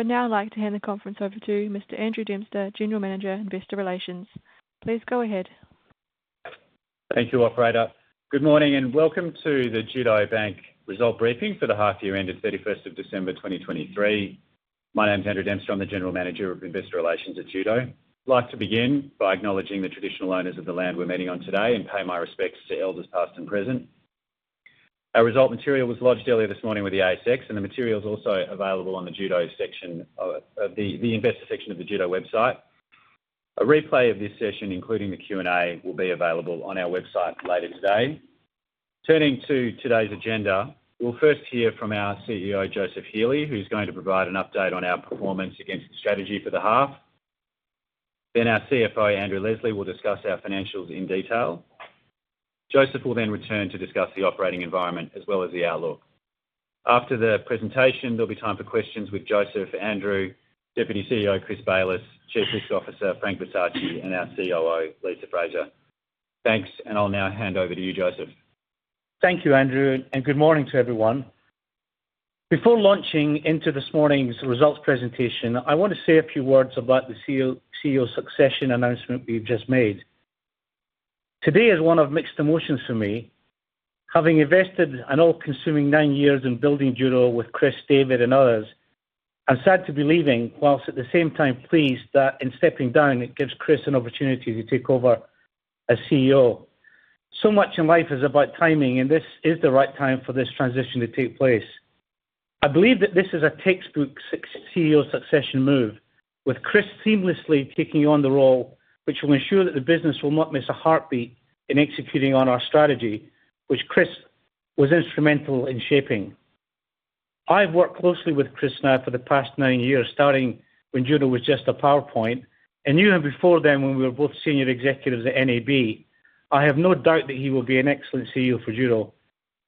I would now like to hand the conference over to Mr. Andrew Dempster, General Manager, Investor Relations. Please go ahead. Thank you, operator. Good morning and welcome to the Judo Bank result briefing for the half-year ended 31st of December 2023. My name's Andrew Dempster. I'm the General Manager of Investor Relations at Judo. I'd like to begin by acknowledging the traditional owners of the land we're meeting on today and pay my respects to elders past and present. Our result material was lodged earlier this morning with the ASX, and the material's also available on the investor section of the Judo website. A replay of this session, including the Q&A, will be available on our website later today. Turning to today's agenda, we'll first hear from our CEO, Joseph Healy, who's going to provide an update on our performance against the strategy for the half. Then our CFO, Andrew Leslie, will discuss our financials in detail. Joseph will then return to discuss the operating environment as well as the outlook. After the presentation, there'll be time for questions with Joseph, Andrew, Deputy CEO Chris Bayliss, Chief Risk Officer Frank Versace, and our COO Lisa Frazier. Thanks, and I'll now hand over to you, Joseph. Thank you, Andrew, and good morning to everyone. Before launching into this morning's results presentation, I want to say a few words about the CEO succession announcement we've just made. Today is one of mixed emotions for me. Having invested an all-consuming nine years in building Judo with Chris, David, and others, I'm sad to be leaving while at the same time pleased that in stepping down, it gives Chris an opportunity to take over as CEO. So much in life is about timing, and this is the right time for this transition to take place. I believe that this is a textbook CEO succession move, with Chris seamlessly taking on the role, which will ensure that the business will not miss a heartbeat in executing on our strategy, which Chris was instrumental in shaping. I've worked closely with Chris now for the past nine years, starting when Judo was just a PowerPoint and knew him before then when we were both senior executives at NAB. I have no doubt that he will be an excellent CEO for Judo.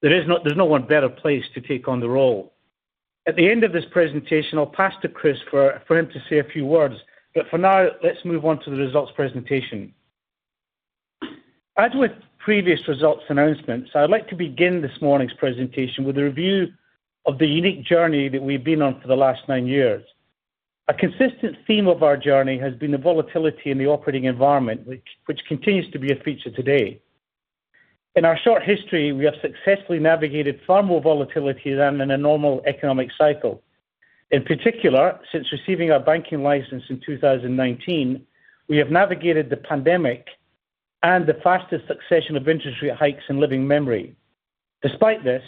There's no one better place to take on the role. At the end of this presentation, I'll pass to Chris for him to say a few words, but for now, let's move on to the results presentation. As with previous results announcements, I'd like to begin this morning's presentation with a review of the unique journey that we've been on for the last nine years. A consistent theme of our journey has been the volatility in the operating environment, which continues to be a feature today. In our short history, we have successfully navigated far more volatility than in a normal economic cycle. In particular, since receiving our banking license in 2019, we have navigated the pandemic and the fastest succession of interest rate hikes in living memory. Despite this,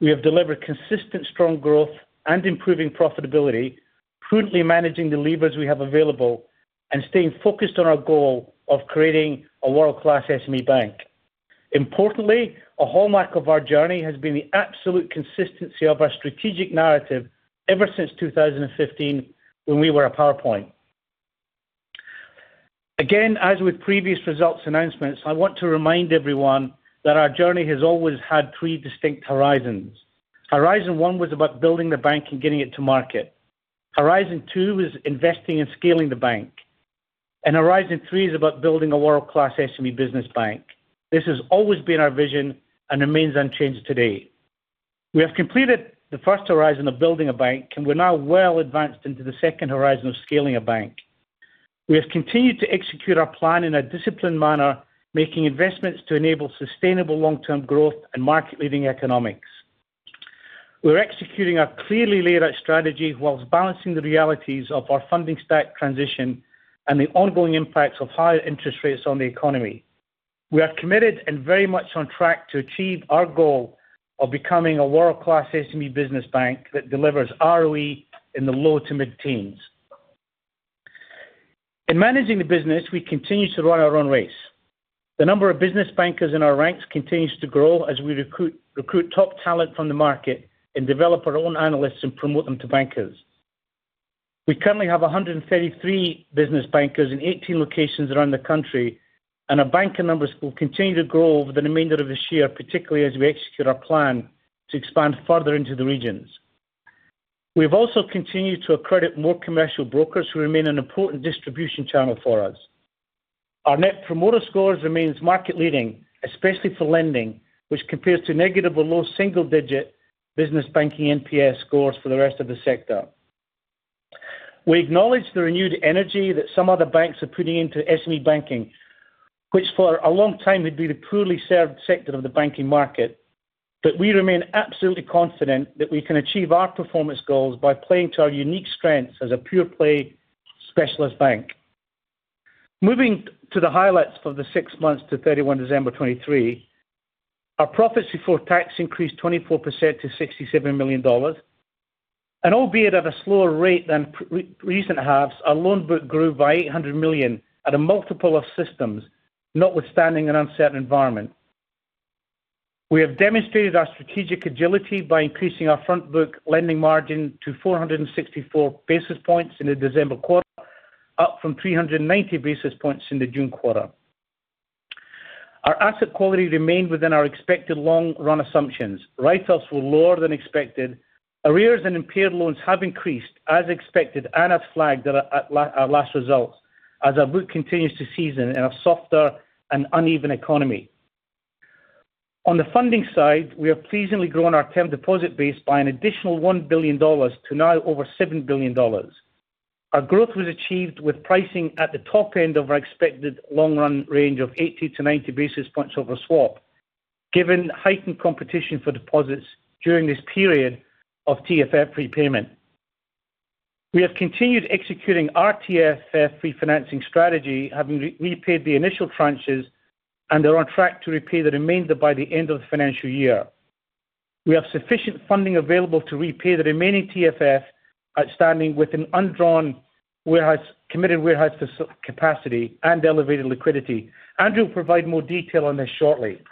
we have delivered consistent, strong growth and improving profitability, prudently managing the levers we have available and staying focused on our goal of creating a world-class SME bank. Importantly, a hallmark of our journey has been the absolute consistency of our strategic narrative ever since 2015 when we were a PowerPoint. Again, as with previous results announcements, I want to remind everyone that our journey has always had three distinct horizons. Horizon one was about building the bank and getting it to market. Horizon two was investing and scaling the bank. And horizon three is about building a world-class SME business bank. This has always been our vision and remains unchanged today. We have completed the first horizon of building a bank, and we're now well advanced into the second horizon of scaling a bank. We have continued to execute our plan in a disciplined manner, making investments to enable sustainable long-term growth and market-leading economics. We're executing our clearly laid out strategy whilst balancing the realities of our funding stack transition and the ongoing impacts of higher interest rates on the economy. We are committed and very much on track to achieve our goal of becoming a world-class SME business bank that delivers ROE in the low to mid-teens. In managing the business, we continue to run our own race. The number of business bankers in our ranks continues to grow as we recruit top talent from the market and develop our own analysts and promote them to bankers. We currently have 133 business bankers in 18 locations around the country, and our banker numbers will continue to grow over the remainder of this year, particularly as we execute our plan to expand further into the regions. We have also continued to accredit more commercial brokers who remain an important distribution channel for us. Our Net Promoter Scores remain market-leading, especially for lending, which compares to negative or low single-digit business banking NPS scores for the rest of the sector. We acknowledge the renewed energy that some other banks are putting into SME banking, which for a long time had been the poorly served sector of the banking market. But we remain absolutely confident that we can achieve our performance goals by playing to our unique strengths as a pure-play specialist bank. Moving to the highlights for the six months to 31 December 2023, our profits before tax increased 24% to 67 million dollars. Albeit at a slower rate than recent halves, our loan book grew by 800 million at a multiple of 6x, notwithstanding an uncertain environment. We have demonstrated our strategic agility by increasing our front-book lending margin to 464 basis points in the December quarter, up from 390 basis points in the June quarter. Our asset quality remained within our expected long-run assumptions. Write-offs were lower than expected. Arrears and impaired loans have increased as expected and have plateaued since our last results as our book continues to season in a softer and uneven economy. On the funding side, we have pleasantly grown our term deposit base by an additional 1 billion dollars to now over 7 billion dollars. Our growth was achieved with pricing at the top end of our expected long-run range of 80-90 basis points over swap, given heightened competition for deposits during this period of TFF repayment. We have continued executing our TFF refinancing strategy, having repaid the initial tranches and are on track to repay the remainder by the end of the financial year. We have sufficient funding available to repay the remaining TFF, outstanding with an undrawn committed warehouse capacity and elevated liquidity. Andrew will provide more detail on this shortly.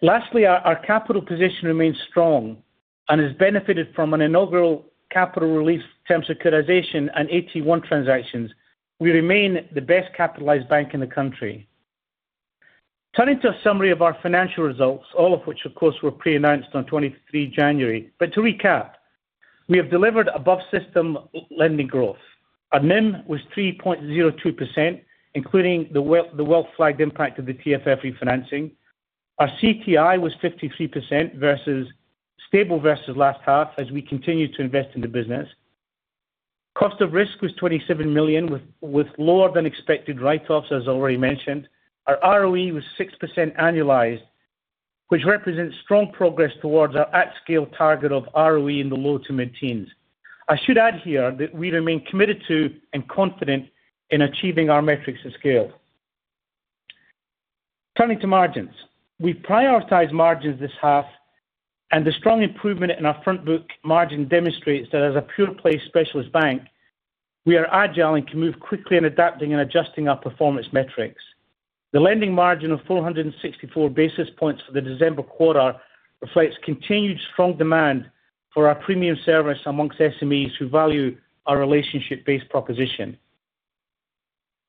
Lastly, our capital position remains strong and has benefited from an inaugural capital relief term securitisation and AT1 transactions. We remain the best capitalized bank in the country. Turning to a summary of our financial results, all of which, of course, were pre-announced on 23 January. To recap, we have delivered above-system lending growth. Our NIM was 3.02%, including the well-flagged impact of the TFF refinancing. Our CTI was 53%, stable versus last half as we continue to invest in the business. Cost of risk was 27 million, with lower than expected write-offs, as already mentioned. Our ROE was 6% annualized, which represents strong progress towards our at-scale target of ROE in the low to mid-teens. I should add here that we remain committed to and confident in achieving our metrics at scale. Turning to margins, we've prioritized margins this half, and the strong improvement in our front-book margin demonstrates that as a pure-play specialist bank, we are agile and can move quickly in adapting and adjusting our performance metrics. The lending margin of 464 basis points for the December quarter reflects continued strong demand for our premium service among SMEs who value our relationship-based proposition.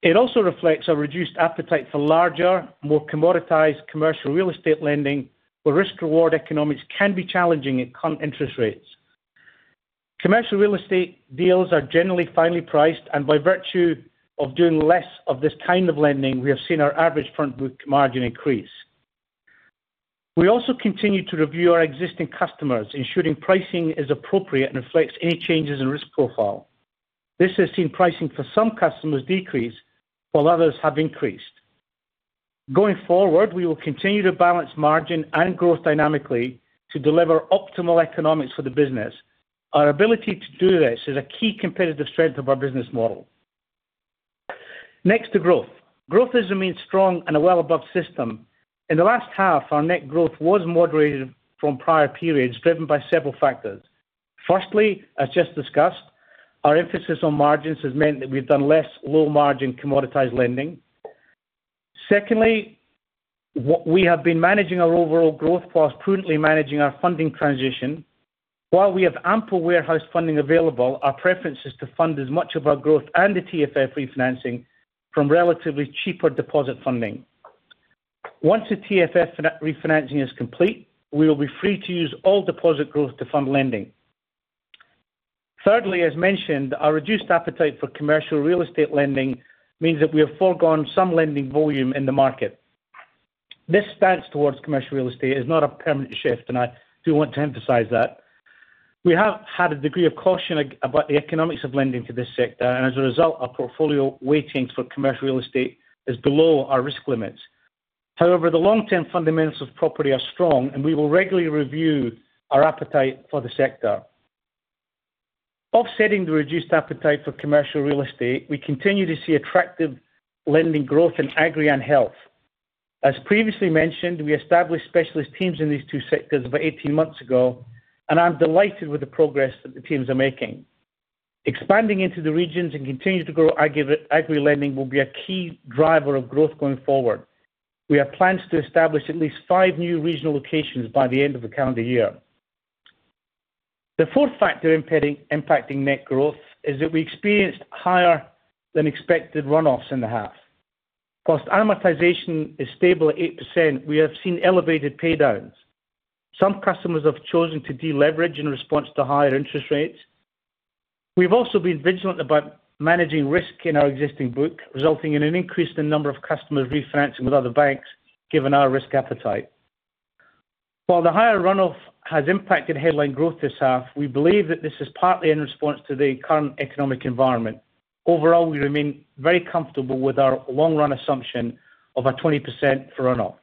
It also reflects a reduced appetite for larger, more commoditized commercial real estate lending, where risk-reward economics can be challenging at current interest rates. Commercial real estate deals are generally finely priced, and by virtue of doing less of this kind of lending, we have seen our average front-book margin increase. We also continue to review our existing customers, ensuring pricing is appropriate and reflects any changes in risk profile. This has seen pricing for some customers decrease while others have increased. Going forward, we will continue to balance margin and growth dynamically to deliver optimal economics for the business. Our ability to do this is a key competitive strength of our business model. Next, to growth. Growth has remained strong and well above system. In the last half, our net growth was moderated from prior periods, driven by several factors. Firstly, as just discussed, our emphasis on margins has meant that we've done less low-margin commoditized lending. Secondly, we have been managing our overall growth while prudently managing our funding transition. While we have ample warehouse funding available, our preference is to fund as much of our growth and the TFF refinancing from relatively cheaper deposit funding. Once the TFF refinancing is complete, we will be free to use all deposit growth to fund lending. Thirdly, as mentioned, our reduced appetite for commercial real estate lending means that we have foregone some lending volume in the market. This stance towards commercial real estate is not a permanent shift, and I do want to emphasize that. We have had a degree of caution about the economics of lending to this sector, and as a result, our portfolio weightings for commercial real estate are below our risk limits. However, the long-term fundamentals of property are strong, and we will regularly review our appetite for the sector. Offsetting the reduced appetite for commercial real estate, we continue to see attractive lending growth in agri and health. As previously mentioned, we established specialist teams in these two sectors about 18 months ago, and I'm delighted with the progress that the teams are making. Expanding into the regions and continuing to grow agri lending will be a key driver of growth going forward. We have plans to establish at least five new regional locations by the end of the calendar year. The fourth factor impacting net growth is that we experienced higher-than-expected runoffs in the half. While amortization is stable at 8%, we have seen elevated paydowns. Some customers have chosen to de-leverage in response to higher interest rates. We've also been vigilant about managing risk in our existing book, resulting in an increase in the number of customers refinancing with other banks, given our risk appetite. While the higher runoff has impacted headline growth this half, we believe that this is partly in response to the current economic environment. Overall, we remain very comfortable with our long-run assumption of a 20% runoff.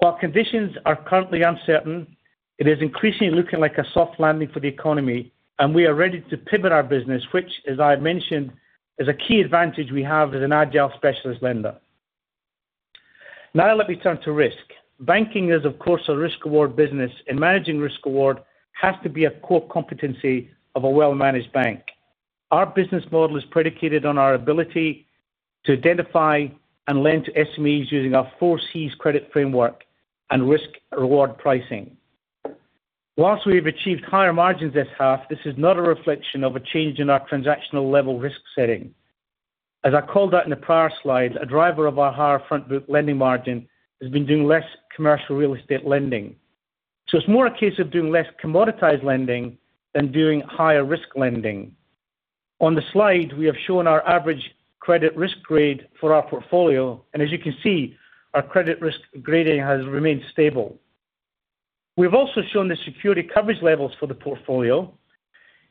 While conditions are currently uncertain, it is increasingly looking like a soft landing for the economy, and we are ready to pivot our business, which, as I have mentioned, is a key advantage we have as an agile specialist lender. Now let me turn to risk. Banking is, of course, a risk-reward business, and managing risk-reward has to be a core competency of a well-managed bank. Our business model is predicated on our ability to identify and lend to SMEs using our 4 Cs credit framework and risk-reward pricing. While we have achieved higher margins this half, this is not a reflection of a change in our transactional-level risk setting. As I called out in the prior slide, a driver of our higher front-book lending margin has been doing less commercial real estate lending. So it's more a case of doing less commoditized lending than doing higher-risk lending. On the slide, we have shown our average credit risk grade for our portfolio, and as you can see, our credit risk grading has remained stable. We have also shown the security coverage levels for the portfolio.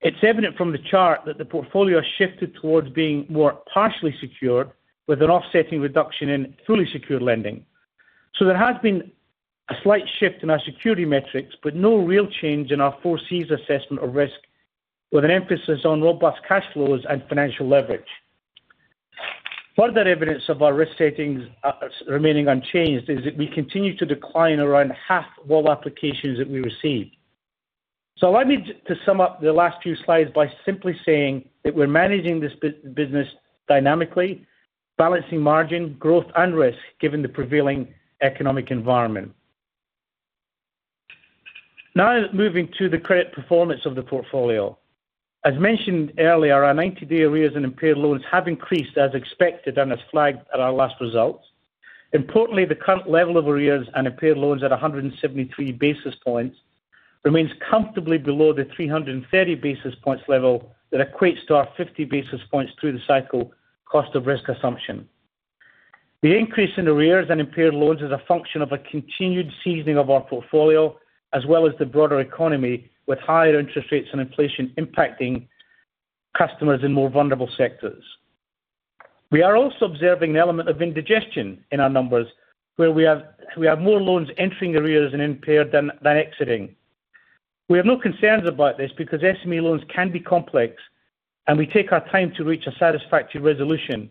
It's evident from the chart that the portfolio has shifted towards being more partially secured, with an offsetting reduction in fully secured lending. So there has been a slight shift in our security metrics, but no real change in our 4 Cs assessment of risk, with an emphasis on robust cash flows and financial leverage. Further evidence of our risk settings remaining unchanged is that we continue to decline around half all applications that we receive. So allow me to sum up the last few slides by simply saying that we're managing this business dynamically, balancing margin, growth, and risk given the prevailing economic environment. Now moving to the credit performance of the portfolio. As mentioned earlier, our 90-day arrears and impaired loans have increased as expected and as flagged at our last results. Importantly, the current level of arrears and impaired loans at 173 basis points remains comfortably below the 330 basis points level that equates to our 50 basis points through the cycle cost of risk assumption. The increase in arrears and impaired loans is a function of a continued seasoning of our portfolio as well as the broader economy, with higher interest rates and inflation impacting customers in more vulnerable sectors. We are also observing an element of indigestion in our numbers, where we have more loans entering arrears and impaired than exiting. We have no concerns about this because SME loans can be complex, and we take our time to reach a satisfactory resolution.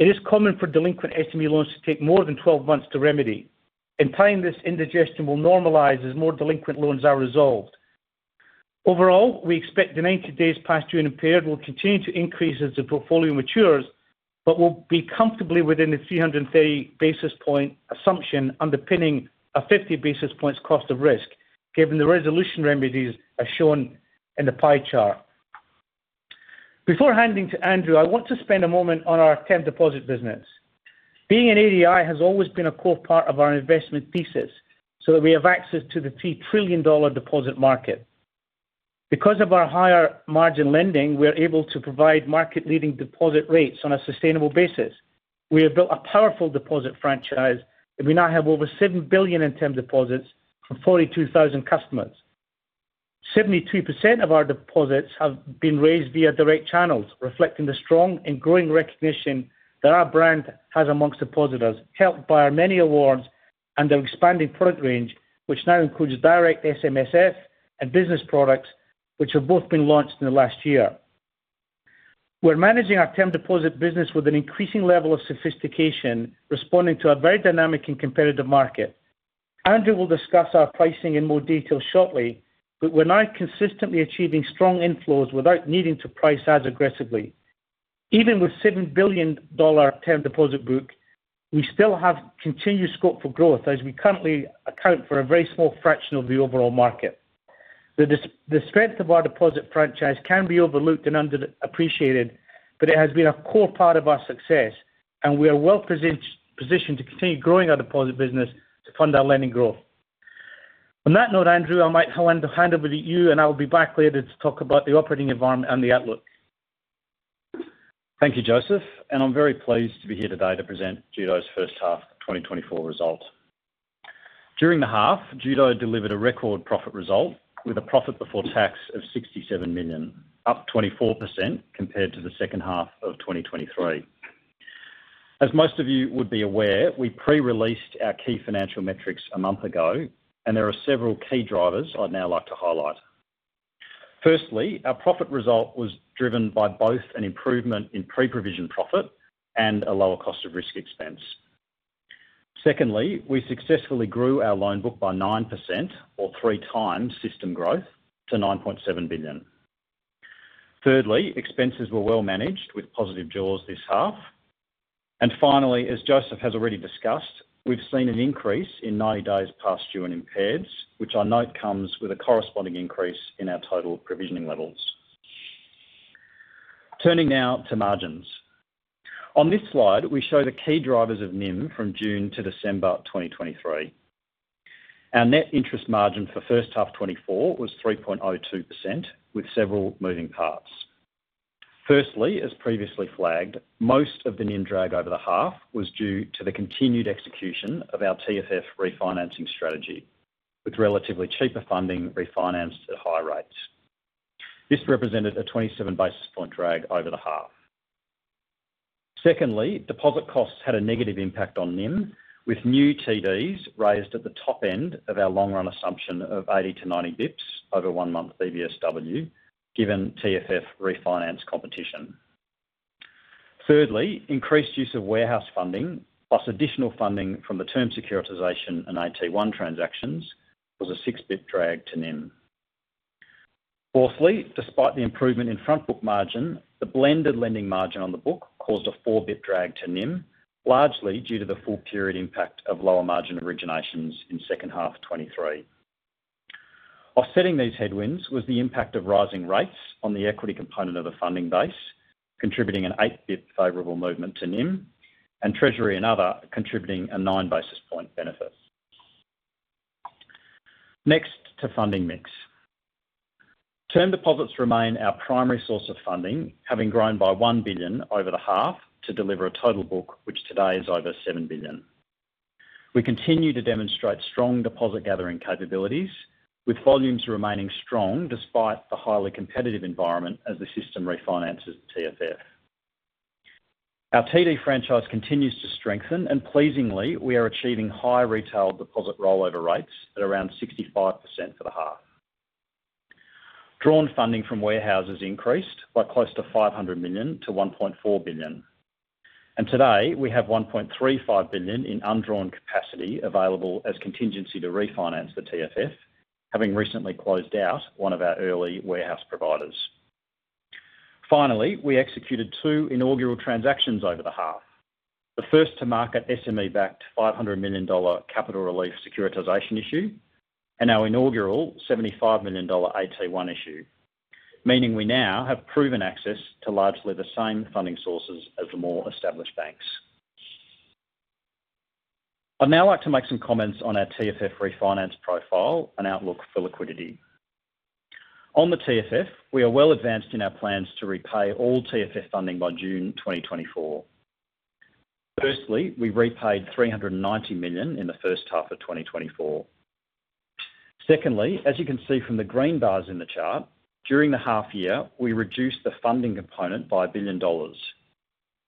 It is common for delinquent SME loans to take more than 12 months to remedy. In time, this indigestion will normalize as more delinquent loans are resolved. Overall, we expect the 90 days past due impaired will continue to increase as the portfolio matures, but will be comfortably within the 330 basis point assumption underpinning a 50 basis points cost of risk, given the resolution remedies as shown in the pie chart. Before handing to Andrew, I want to spend a moment on our term deposit business. Being an ADI has always been a core part of our investment thesis so that we have access to the 3 trillion dollar deposit market. Because of our higher margin lending, we are able to provide market-leading deposit rates on a sustainable basis. We have built a powerful deposit franchise, and we now have over 7 billion in term deposits from 42,000 customers. 72% of our deposits have been raised via direct channels, reflecting the strong and growing recognition that our brand has among depositors, helped by our many awards and our expanding product range, which now includes direct SMSF and business products, which have both been launched in the last year. We're managing our term deposit business with an increasing level of sophistication, responding to a very dynamic and competitive market. Andrew will discuss our pricing in more detail shortly, but we're now consistently achieving strong inflows without needing to price as aggressively. Even with 7 billion dollar term deposit book, we still have continued scope for growth as we currently account for a very small fraction of the overall market. The strength of our deposit franchise can be overlooked and underappreciated, but it has been a core part of our success, and we are well positioned to continue growing our deposit business to fund our lending growth. On that note, Andrew, I'll hand over to you, and I will be back later to talk about the operating environment and the outlook. Thank you, Joseph. And I'm very pleased to be here today to present Judo's first half 2024 result. During the half, Judo delivered a record profit result with a profit before tax of 67 million, up 24% compared to the second half of 2023. As most of you would be aware, we pre-released our key financial metrics a month ago, and there are several key drivers I'd now like to highlight. Firstly, our profit result was driven by both an improvement in pre-provision profit and a lower cost of risk expense. Secondly, we successfully grew our loan book by 9%, or 3x system growth, to 9.7 billion. Thirdly, expenses were well managed with positive jaws this half. And finally, as Joseph has already discussed, we've seen an increase in 90 days past due impaireds, which I note comes with a corresponding increase in our total provisioning levels. Turning now to margins. On this slide, we show the key drivers of NIM from June to December 2023. Our net interest margin for first half 2024 was 3.02%, with several moving parts. Firstly, as previously flagged, most of the NIM drag over the half was due to the continued execution of our TFF refinancing strategy, with relatively cheaper funding refinanced at higher rates. This represented a 27 basis point drag over the half. Secondly, deposit costs had a negative impact on NIM, with new TDs raised at the top end of our long-run assumption of 80-90 bps over one-month BBSW, given TFF refinance competition. Thirdly, increased use of warehouse funding plus additional funding from the term securitization and AT1 transactions was a 6 bp drag to NIM. Fourthly, despite the improvement in front-book margin, the blended lending margin on the book caused a 4 bp drag to NIM, largely due to the full-period impact of lower margin originations in second half 2023. Offsetting these headwinds was the impact of rising rates on the equity component of the funding base, contributing an 8 bp favorable movement to NIM, and Treasury and other contributing a 9-basis point benefit. Next, to funding mix. Term deposits remain our primary source of funding, having grown by 1 billion over the half to deliver a total book, which today is over 7 billion. We continue to demonstrate strong deposit-gathering capabilities, with volumes remaining strong despite the highly competitive environment as the system refinances the TFF. Our TD franchise continues to strengthen, and pleasingly, we are achieving high retail deposit rollover rates at around 65% for the half. Drawn funding from warehouses increased by close to 500 million to 1.4 billion. Today, we have 1.35 billion in undrawn capacity available as contingency to refinance the TFF, having recently closed out one of our early warehouse providers. Finally, we executed two inaugural transactions over the half: the first-to-market SME-backed 500 million dollar capital relief securitization issue and our inaugural 75 million dollar AT1 issue, meaning we now have proven access to largely the same funding sources as the more established banks. I'd now like to make some comments on our TFF refinance profile and outlook for liquidity. On the TFF, we are well advanced in our plans to repay all TFF funding by June 2024. Firstly, we repaid 390 million in the first half of 2024. Secondly, as you can see from the green bars in the chart, during the half-year, we reduced the funding component by 1 billion dollars,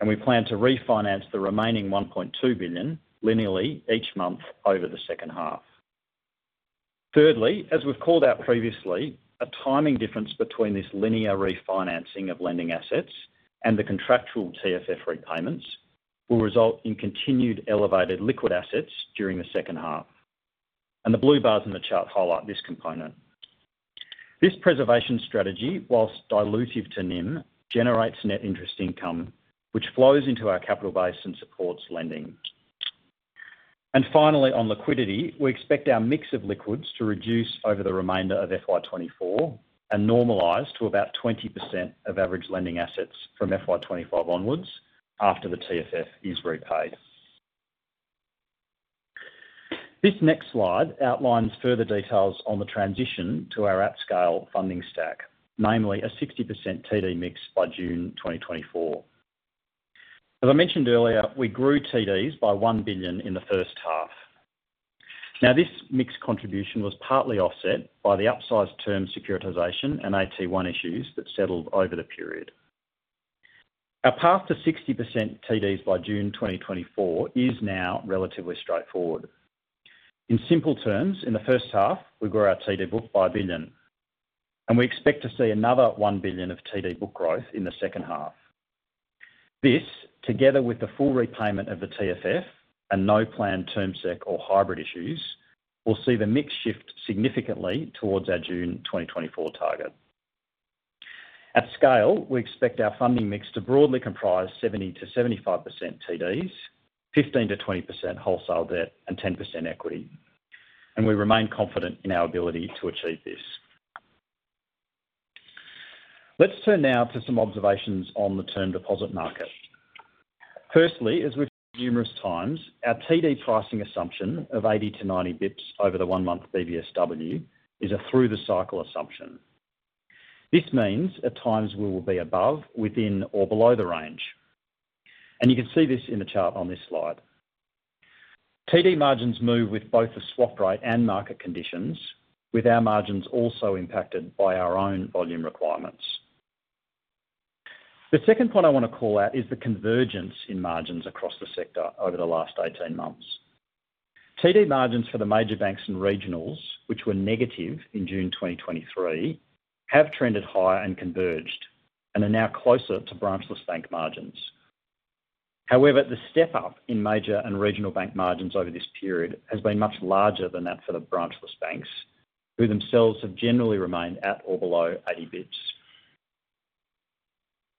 and we plan to refinance the remaining 1.2 billion linearly each month over the second half. Thirdly, as we've called out previously, a timing difference between this linear refinancing of lending assets and the contractual TFF repayments will result in continued elevated liquid assets during the second half. The blue bars in the chart highlight this component. This preservation strategy, while dilutive to NIM, generates net interest income, which flows into our capital base and supports lending. Finally, on liquidity, we expect our mix of liquids to reduce over the remainder of FY 2024 and normalize to about 20% of average lending assets from FY 2025 onwards after the TFF is repaid. This next slide outlines further details on the transition to our at-scale funding stack, namely a 60% TD mix by June 2024. As I mentioned earlier, we grew TDs by 1 billion in the first half. Now, this mixed contribution was partly offset by the upsized term securitization and AT1 issues that settled over the period. Our path to 60% TDs by June 2024 is now relatively straightforward. In simple terms, in the first half, we grew our TD book by 1 billion, and we expect to see another 1 billion of TD book growth in the second half. This, together with the full repayment of the TFF and no planned term sec or hybrid issues, will see the mix shift significantly towards our June 2024 target. At scale, we expect our funding mix to broadly comprise 70%-75% TDs, 15%-20% wholesale debt, and 10% equity. And we remain confident in our ability to achieve this. Let's turn now to some observations on the term deposit market. Firstly, as we've said numerous times, our TD pricing assumption of 80-90 bps over the one-month BBSW is a through-the-cycle assumption. This means at times we will be above, within, or below the range. You can see this in the chart on this slide. TD margins move with both the swap rate and market conditions, with our margins also impacted by our own volume requirements. The second point I want to call out is the convergence in margins across the sector over the last 18 months. TD margins for the major banks and regionals, which were negative in June 2023, have trended higher and converged and are now closer to branchless bank margins. However, the step-up in major and regional bank margins over this period has been much larger than that for the branchless banks, who themselves have generally remained at or below 80 bps.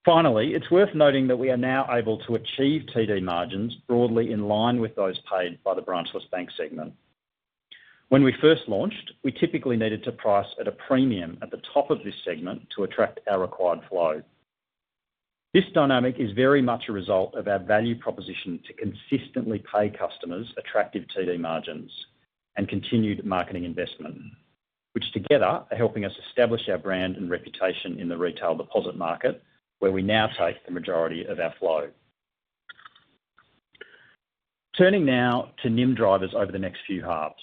Finally, it's worth noting that we are now able to achieve TD margins broadly in line with those paid by the branchless bank segment. When we first launched, we typically needed to price at a premium at the top of this segment to attract our required flow. This dynamic is very much a result of our value proposition to consistently pay customers attractive TD margins and continued marketing investment, which together are helping us establish our brand and reputation in the retail deposit market, where we now take the majority of our flow. Turning now to NIM drivers over the next few halves.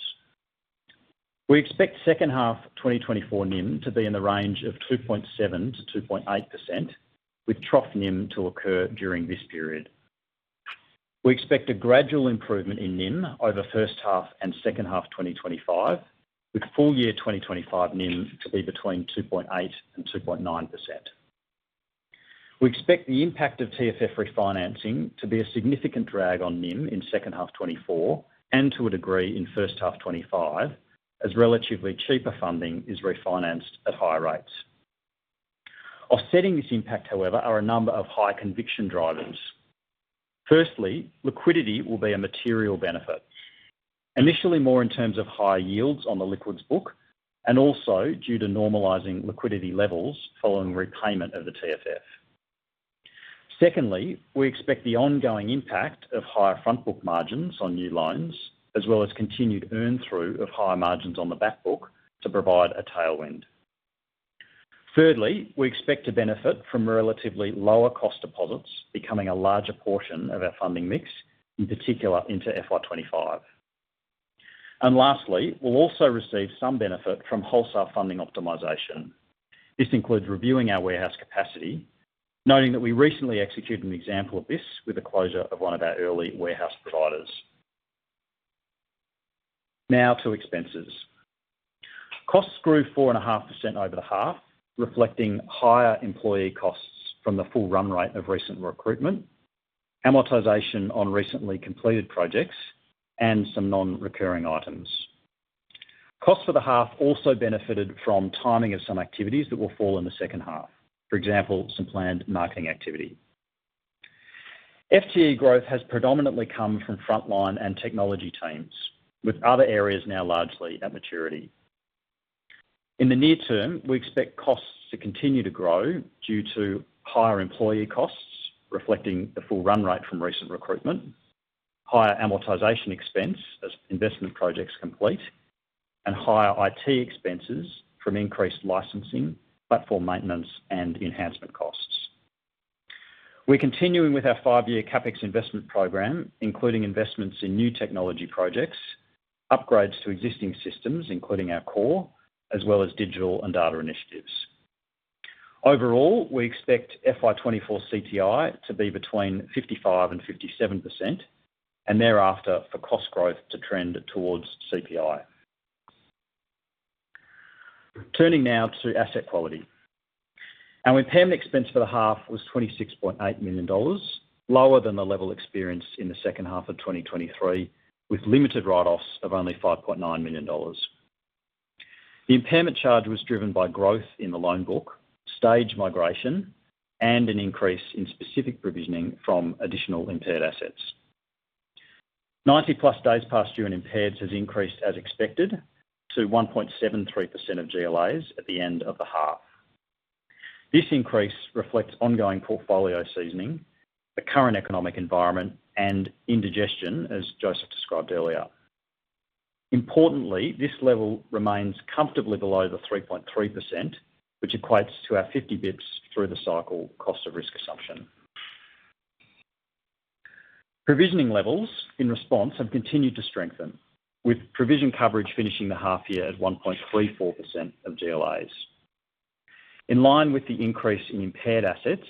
We expect second half 2024 NIM to be in the range of 2.7%-2.8%, with trough NIM to occur during this period. We expect a gradual improvement in NIM over first half and second half 2025, with full-year 2025 NIM to be between 2.8%-2.9%. We expect the impact of TFF refinancing to be a significant drag on NIM in second half 2024 and to a degree in first half 2025, as relatively cheaper funding is refinanced at higher rates. Offsetting this impact, however, are a number of high conviction drivers. Firstly, liquidity will be a material benefit, initially more in terms of higher yields on the liquids book and also due to normalizing liquidity levels following repayment of the TFF. Secondly, we expect the ongoing impact of higher front-book margins on new loans, as well as continued earn-through of higher margins on the back book to provide a tailwind. Thirdly, we expect to benefit from relatively lower cost deposits becoming a larger portion of our funding mix, in particular into FY 2025. Lastly, we'll also receive some benefit from wholesale funding optimization. This includes reviewing our warehouse capacity, noting that we recently executed an example of this with the closure of one of our early warehouse providers. Now to expenses. Costs grew 4.5% over the half, reflecting higher employee costs from the full run rate of recent recruitment, amortization on recently completed projects, and some non-recurring items. Costs for the half also benefited from timing of some activities that will fall in the second half, for example, some planned marketing activity. FTE growth has predominantly come from frontline and technology teams, with other areas now largely at maturity. In the near term, we expect costs to continue to grow due to higher employee costs, reflecting the full run rate from recent recruitment, higher amortization expense as investment projects complete, and higher IT expenses from increased licensing, platform maintenance, and enhancement costs. We're continuing with our five-year CapEx investment program, including investments in new technology projects, upgrades to existing systems, including our core, as well as digital and data initiatives. Overall, we expect FY 2024 CTI to be between 55%-57%, and thereafter for cost growth to trend towards CPI. Turning now to asset quality. Our impairment expense for the half was 26.8 million dollars, lower than the level experienced in the second half of 2023, with limited write-offs of only 5.9 million dollars. The impairment charge was driven by growth in the loan book, stage migration, and an increase in specific provisioning from additional impaired assets. 90+ days past due impaireds has increased as expected to 1.73% of GLAs at the end of the half. This increase reflects ongoing portfolio seasoning, the current economic environment, and indigestion, as Joseph described earlier. Importantly, this level remains comfortably below the 3.3%, which equates to our 50 bps through-the-cycle cost of risk assumption. Provisioning levels in response have continued to strengthen, with provision coverage finishing the half-year at 1.34% of GLAs. In line with the increase in impaired assets,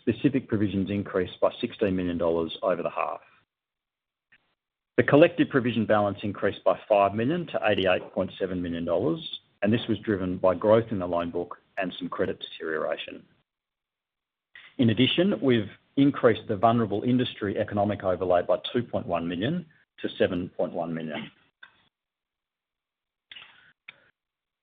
specific provisions increased by 16 million dollars over the half. The collective provision balance increased by 5 million to 88.7 million dollars, and this was driven by growth in the loan book and some credit deterioration. In addition, we've increased the vulnerable industry economic overlay by 2.1 million to 7.1 million.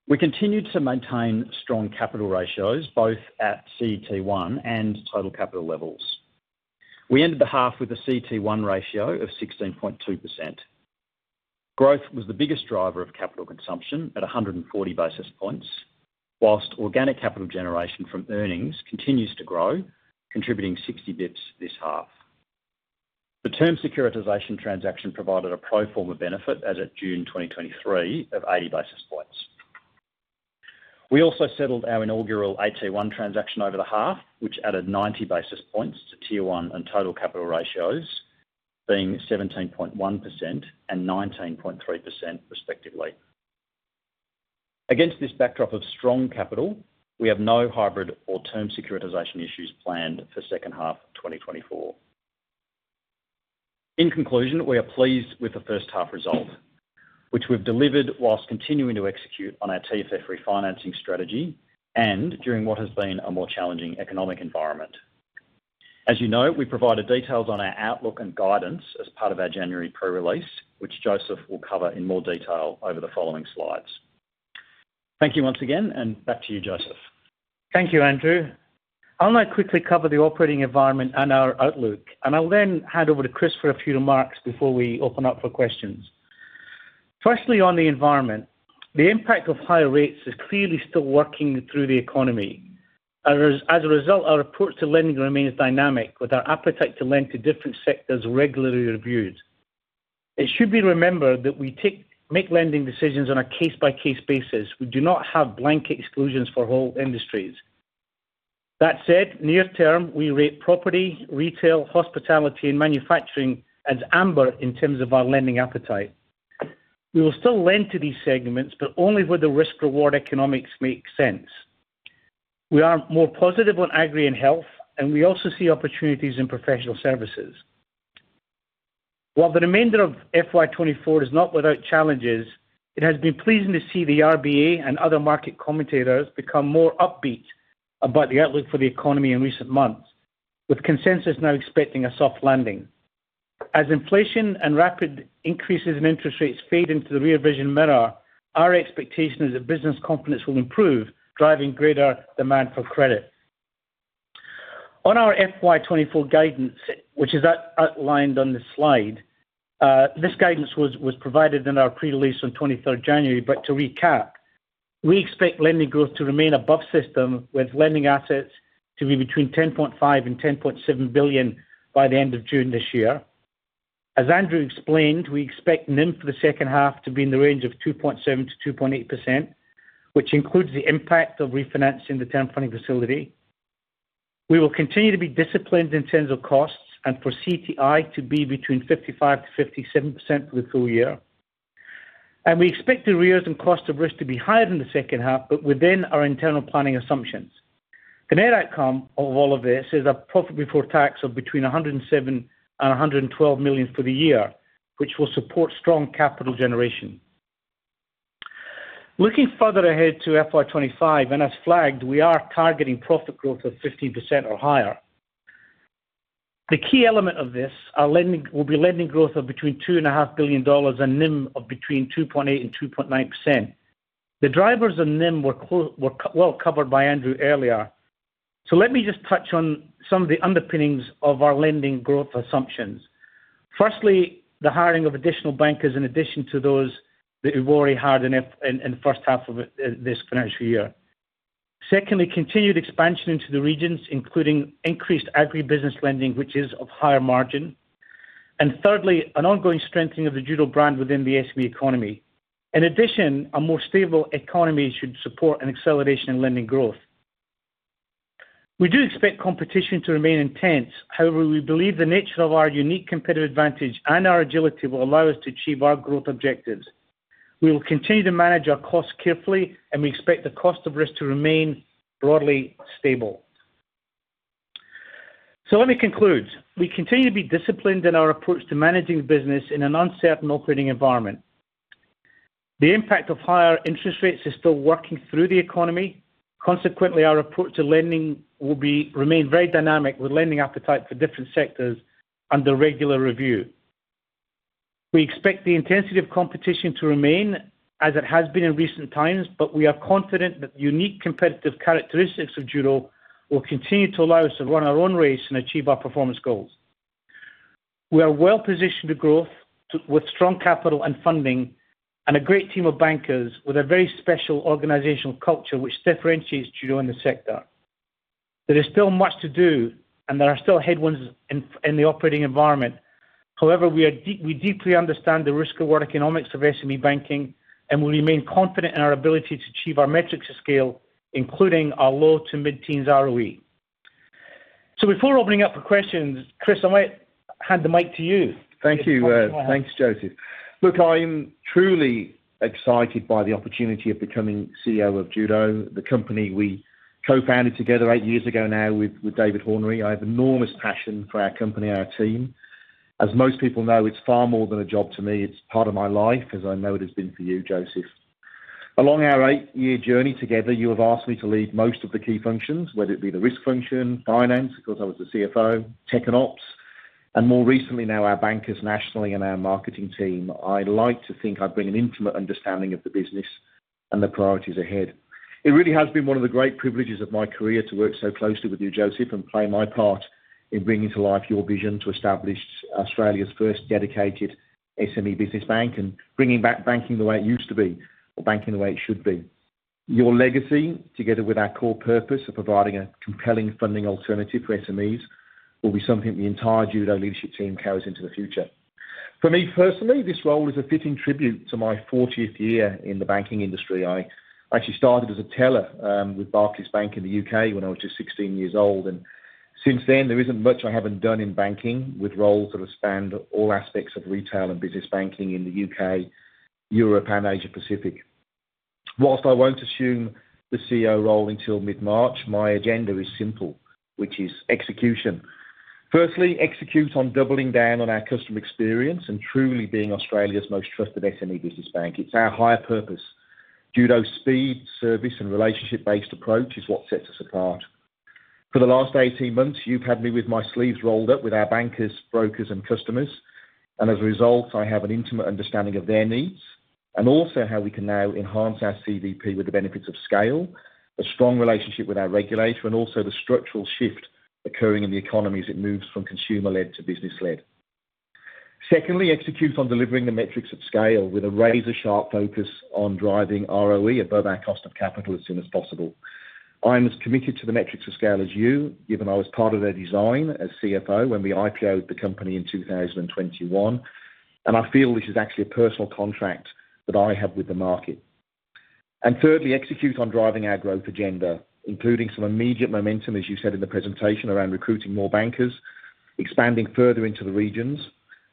We continued to maintain strong capital ratios both at CET1 and total capital levels. We ended the half with a CET1 ratio of 16.2%. Growth was the biggest driver of capital consumption at 140 basis points, while organic capital generation from earnings continues to grow, contributing 60 basis points this half. The term securitization transaction provided a pro forma benefit as of June 2023 of 80 basis points. We also settled our inaugural AT1 transaction over the half, which added 90 basis points to Tier 1 and total capital ratios, being 17.1% and 19.3%, respectively. Against this backdrop of strong capital, we have no hybrid or term securitization issues planned for second half 2024. In conclusion, we are pleased with the first half result, which we've delivered while continuing to execute on our TFF refinancing strategy and during what has been a more challenging economic environment. As you know, we provided details on our outlook and guidance as part of our January pre-release, which Joseph will cover in more detail over the following slides. Thank you once again, and back to you, Joseph. Thank you, Andrew. I'll now quickly cover the operating environment and our outlook, and I'll then hand over to Chris for a few remarks before we open up for questions. Firstly, on the environment, the impact of higher rates is clearly still working through the economy. As a result, our approach to lending remains dynamic, with our appetite to lend to different sectors regularly reviewed. It should be remembered that we make lending decisions on a case-by-case basis. We do not have blank exclusions for whole industries. That said, near term, we rate property, retail, hospitality, and manufacturing as amber in terms of our lending appetite. We will still lend to these segments, but only where the risk-reward economics make sense. We are more positive on agri and health, and we also see opportunities in professional services. While the remainder of FY 2024 is not without challenges, it has been pleasing to see the RBA and other market commentators become more upbeat about the outlook for the economy in recent months, with consensus now expecting a soft landing. As inflation and rapid increases in interest rates fade into the rear-vision mirror, our expectation is that business confidence will improve, driving greater demand for credit. On our FY 2024 guidance, which is outlined on this slide, this guidance was provided in our pre-release on 23rd January. But to recap, we expect lending growth to remain above system, with lending assets to be between 10.5 billion and 10.7 billion by the end of June this year. As Andrew explained, we expect NIM for the second half to be in the range of 2.7%-2.8%, which includes the impact of refinancing the term funding facility. We will continue to be disciplined in terms of costs and for CTI to be between 55%-57% for the full year. And we expect the impairments and cost of risk to be higher in the second half, but within our internal planning assumptions. The net outcome of all of this is a profit before tax of between 107 million-112 million for the year, which will support strong capital generation. Looking further ahead to FY 2025, and as flagged, we are targeting profit growth of 15% or higher. The key element of this will be lending growth of about 2.5 billion dollars and NIM of between 2.8%-2.9%. The drivers of NIM were well covered by Andrew earlier. So let me just touch on some of the underpinnings of our lending growth assumptions. Firstly, the hiring of additional bankers in addition to those that we've already hired in the first half of this financial year. Secondly, continued expansion into the regions, including increased agribusiness lending, which is of higher margin. And thirdly, an ongoing strengthening of the Judo brand within the SME economy. In addition, a more stable economy should support an acceleration in lending growth. We do expect competition to remain intense. However, we believe the nature of our unique competitive advantage and our agility will allow us to achieve our growth objectives. We will continue to manage our costs carefully, and we expect the cost of risk to remain broadly stable. So let me conclude. We continue to be disciplined in our approach to managing business in an uncertain operating environment. The impact of higher interest rates is still working through the economy. Consequently, our approach to lending will remain very dynamic, with lending appetite for different sectors under regular review. We expect the intensity of competition to remain as it has been in recent times, but we are confident that the unique competitive characteristics of Judo will continue to allow us to run our own race and achieve our performance goals. We are well positioned to growth with strong capital and funding and a great team of bankers with a very special organizational culture, which differentiates Judo in the sector. There is still much to do, and there are still headwinds in the operating environment. However, we deeply understand the risk-reward economics of SME banking and will remain confident in our ability to achieve our metrics of scale, including our low- to mid-teens ROE. Before opening up for questions, Chris, I might hand the mic to you. Thank you. Thanks, Joseph. Look, I am truly excited by the opportunity of becoming CEO of Judo, the company we co-founded together eight years ago now with David Hornery. I have enormous passion for our company, our team. As most people know, it's far more than a job to me. It's part of my life, as I know it has been for you, Joseph. Along our eight-year journey together, you have asked me to lead most of the key functions, whether it be the risk function, finance because I was the CFO, tech and ops, and more recently now our bankers nationally and our marketing team. I like to think I bring an intimate understanding of the business and the priorities ahead. It really has been one of the great privileges of my career to work so closely with you, Joseph, and play my part in bringing to life your vision to establish Australia's first dedicated SME business bank and bringing back banking the way it used to be or banking the way it should be. Your legacy, together with our core purpose of providing a compelling funding alternative for SMEs, will be something the entire Judo leadership team carries into the future. For me personally, this role is a fitting tribute to my 40th year in the banking industry. I actually started as a teller with Barclays Bank in the UK when I was just 16 years old. Since then, there isn't much I haven't done in banking with roles that expand all aspects of retail and business banking in the UK, Europe, and Asia-Pacific. While I won't assume the CEO role until mid-March, my agenda is simple, which is execution. Firstly, execute on doubling down on our customer experience and truly being Australia's most trusted SME business bank. It's our higher purpose. Judo's speed, service, and relationship-based approach is what sets us apart. For the last 18 months, you've had me with my sleeves rolled up with our bankers, brokers, and customers. And as a result, I have an intimate understanding of their needs and also how we can now enhance our CVP with the benefits of scale, a strong relationship with our regulator, and also the structural shift occurring in the economy as it moves from consumer-led to business-led. Secondly, execute on delivering the metrics of scale with a razor-sharp focus on driving ROE above our cost of capital as soon as possible. I am as committed to the metrics of scale as you, given I was part of their design as CFO when we IPO'd the company in 2021. And I feel this is actually a personal contract that I have with the market. And thirdly, execute on driving our growth agenda, including some immediate momentum, as you said in the presentation, around recruiting more bankers, expanding further into the regions,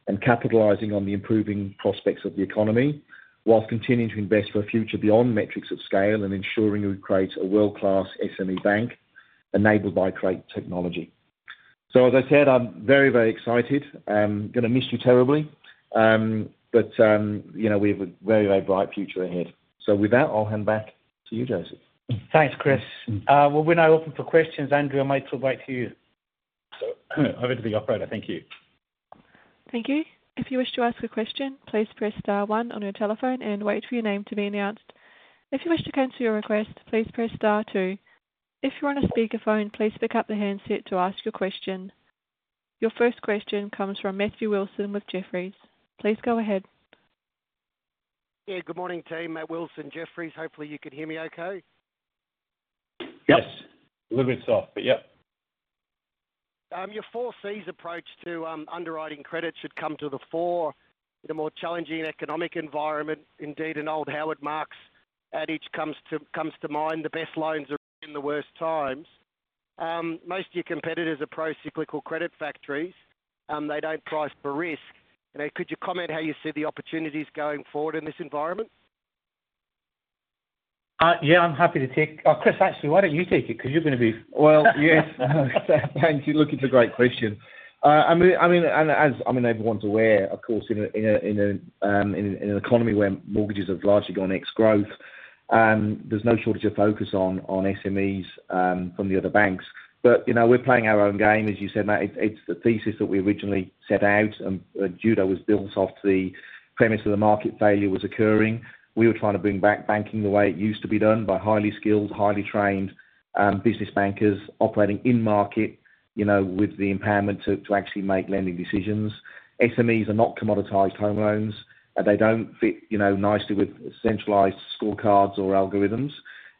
and capitalizing on the improving prospects of the economy while continuing to invest for a future beyond metrics of scale and ensuring we create a world-class SME bank enabled by great technology. So as I said, I'm very, very excited. I'm going to miss you terribly, but we have a very, very bright future ahead. So with that, I'll hand back to you, Joseph. Thanks, Chris. Well, we're now open for questions. Andrew, I might talk back to you. Over to the operator. Thank you. Thank you. If you wish to ask a question, please press star one on your telephone and wait for your name to be announced. If you wish to cancel your request, please press star two. If you're on a speakerphone, please pick up the handset to ask your question. Your first question comes from Matthew Wilson with Jefferies. Please go ahead. Yeah. Good morning, team. Matt Wilson, Jefferies. Hopefully, you can hear me okay. Yes. A little bit soft, but yep. Your four Cs approach to underwriting credit should come to the fore in a more challenging economic environment. Indeed, an old Howard Marks adage comes to mind: "The best loans are in the worst times." Most of your competitors approach cyclical credit factories. They don't price for risk. Could you comment how you see the opportunities going forward in this environment? Yeah. I'm happy to take Chris, actually, why don't you take it because you're going to be well, yes. Thank you. Looking for a great question. I mean, and as I mean, everyone's aware, of course, in an economy where mortgages have largely gone ex-growth, there's no shortage of focus on SMEs from the other banks. But we're playing our own game. As you said, Matt, it's the thesis that we originally set out, and Judo was built off the premise that the market failure was occurring. We were trying to bring back banking the way it used to be done by highly skilled, highly trained business bankers operating in market with the empowerment to actually make lending decisions. SMEs are not commoditized home loans, and they don't fit nicely with centralized scorecards or algorithms.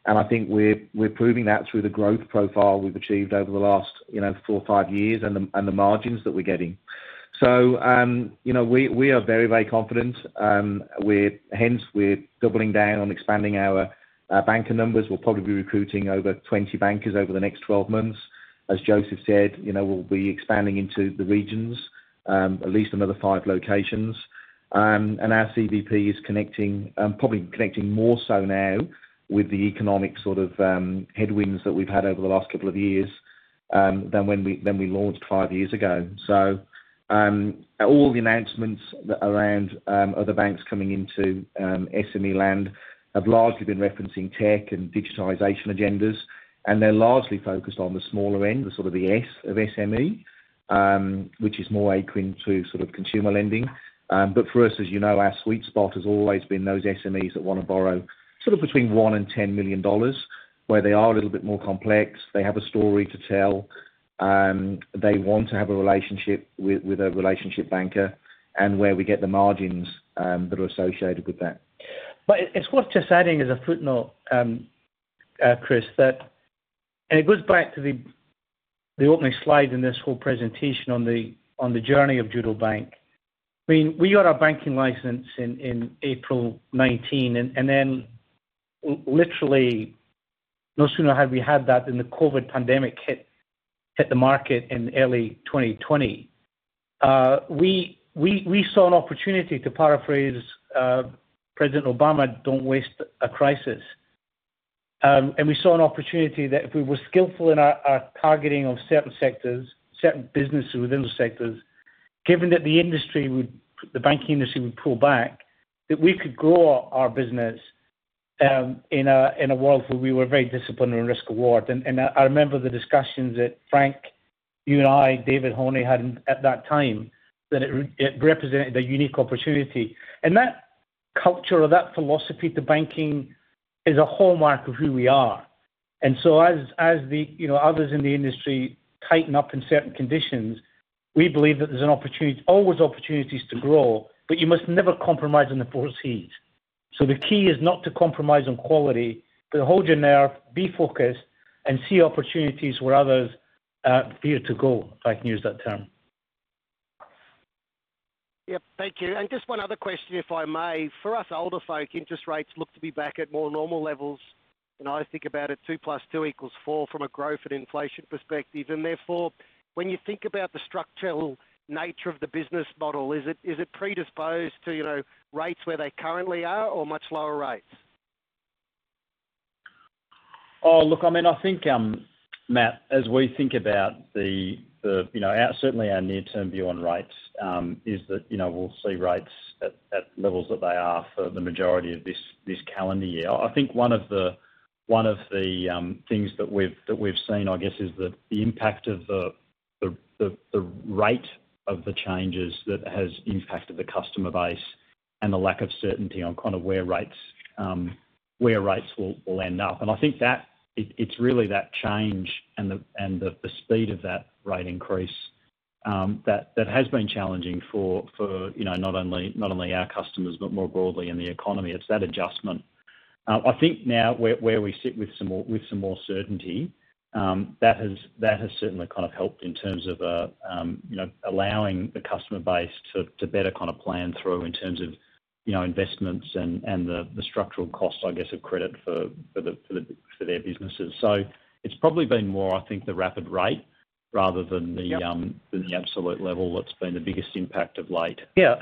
I think we're proving that through the growth profile we've achieved over the last four or five years and the margins that we're getting. So we are very, very confident. Hence, we're doubling down on expanding our banker numbers. We'll probably be recruiting over 20 bankers over the next 12 months. As Joseph said, we'll be expanding into the regions, at least another five locations. Our CVP is probably connecting more so now with the economic sort of headwinds that we've had over the last couple of years than when we launched five years ago. So all the announcements around other banks coming into SME land have largely been referencing tech and digitization agendas. They're largely focused on the smaller end, the sort of the S of SME, which is more akin to sort of consumer lending. But for us, as you know, our sweet spot has always been those SMEs that want to borrow sort of between 1 million-10 million dollars, where they are a little bit more complex, they have a story to tell, they want to have a relationship with a relationship banker, and where we get the margins that are associated with that. But it's worth just adding as a footnote, Chris, that, and it goes back to the opening slide in this whole presentation on the journey of Judo Bank. I mean, we got our banking license in April 2019, and then literally no sooner had we had that than the COVID pandemic hit the market in early 2020. We saw an opportunity to paraphrase President Obama's "Don't waste a crisis." And we saw an opportunity that if we were skillful in our targeting of certain businesses within those sectors, given that the banking industry would pull back, that we could grow our business in a world where we were very disciplined and risk-rewarded. And I remember the discussions that Frank, you and I, David Hornery had at that time, that it represented a unique opportunity. And that culture or that philosophy to banking is a hallmark of who we are. And so as the others in the industry tighten up in certain conditions, we believe that there's always opportunities to grow, but you must never compromise on the 4 Cs. So the key is not to compromise on quality, but hold your nerve, be focused, and see opportunities where others fear to go, if I can use that term. Yep. Thank you. And just one other question, if I may. For us older folk, interest rates look to be back at more normal levels. And I think about it: 2 + 2 = 4 from a growth and inflation perspective. And therefore, when you think about the structural nature of the business model, is it predisposed to rates where they currently are or much lower rates? Oh, look, I mean, I think, Matt, as we think about certainly our near-term view on rates, is that we'll see rates at levels that they are for the majority of this calendar year. I think one of the things that we've seen, I guess, is the impact of the rate of the changes that has impacted the customer base and the lack of certainty on kind of where rates will end up. And I think it's really that change and the speed of that rate increase that has been challenging for not only our customers but more broadly in the economy. It's that adjustment. I think now where we sit with some more certainty, that has certainly kind of helped in terms of allowing the customer base to better kind of plan through in terms of investments and the structural cost, I guess, of credit for their businesses. It's probably been more, I think, the rapid rate rather than the absolute level that's been the biggest impact of late. Yeah.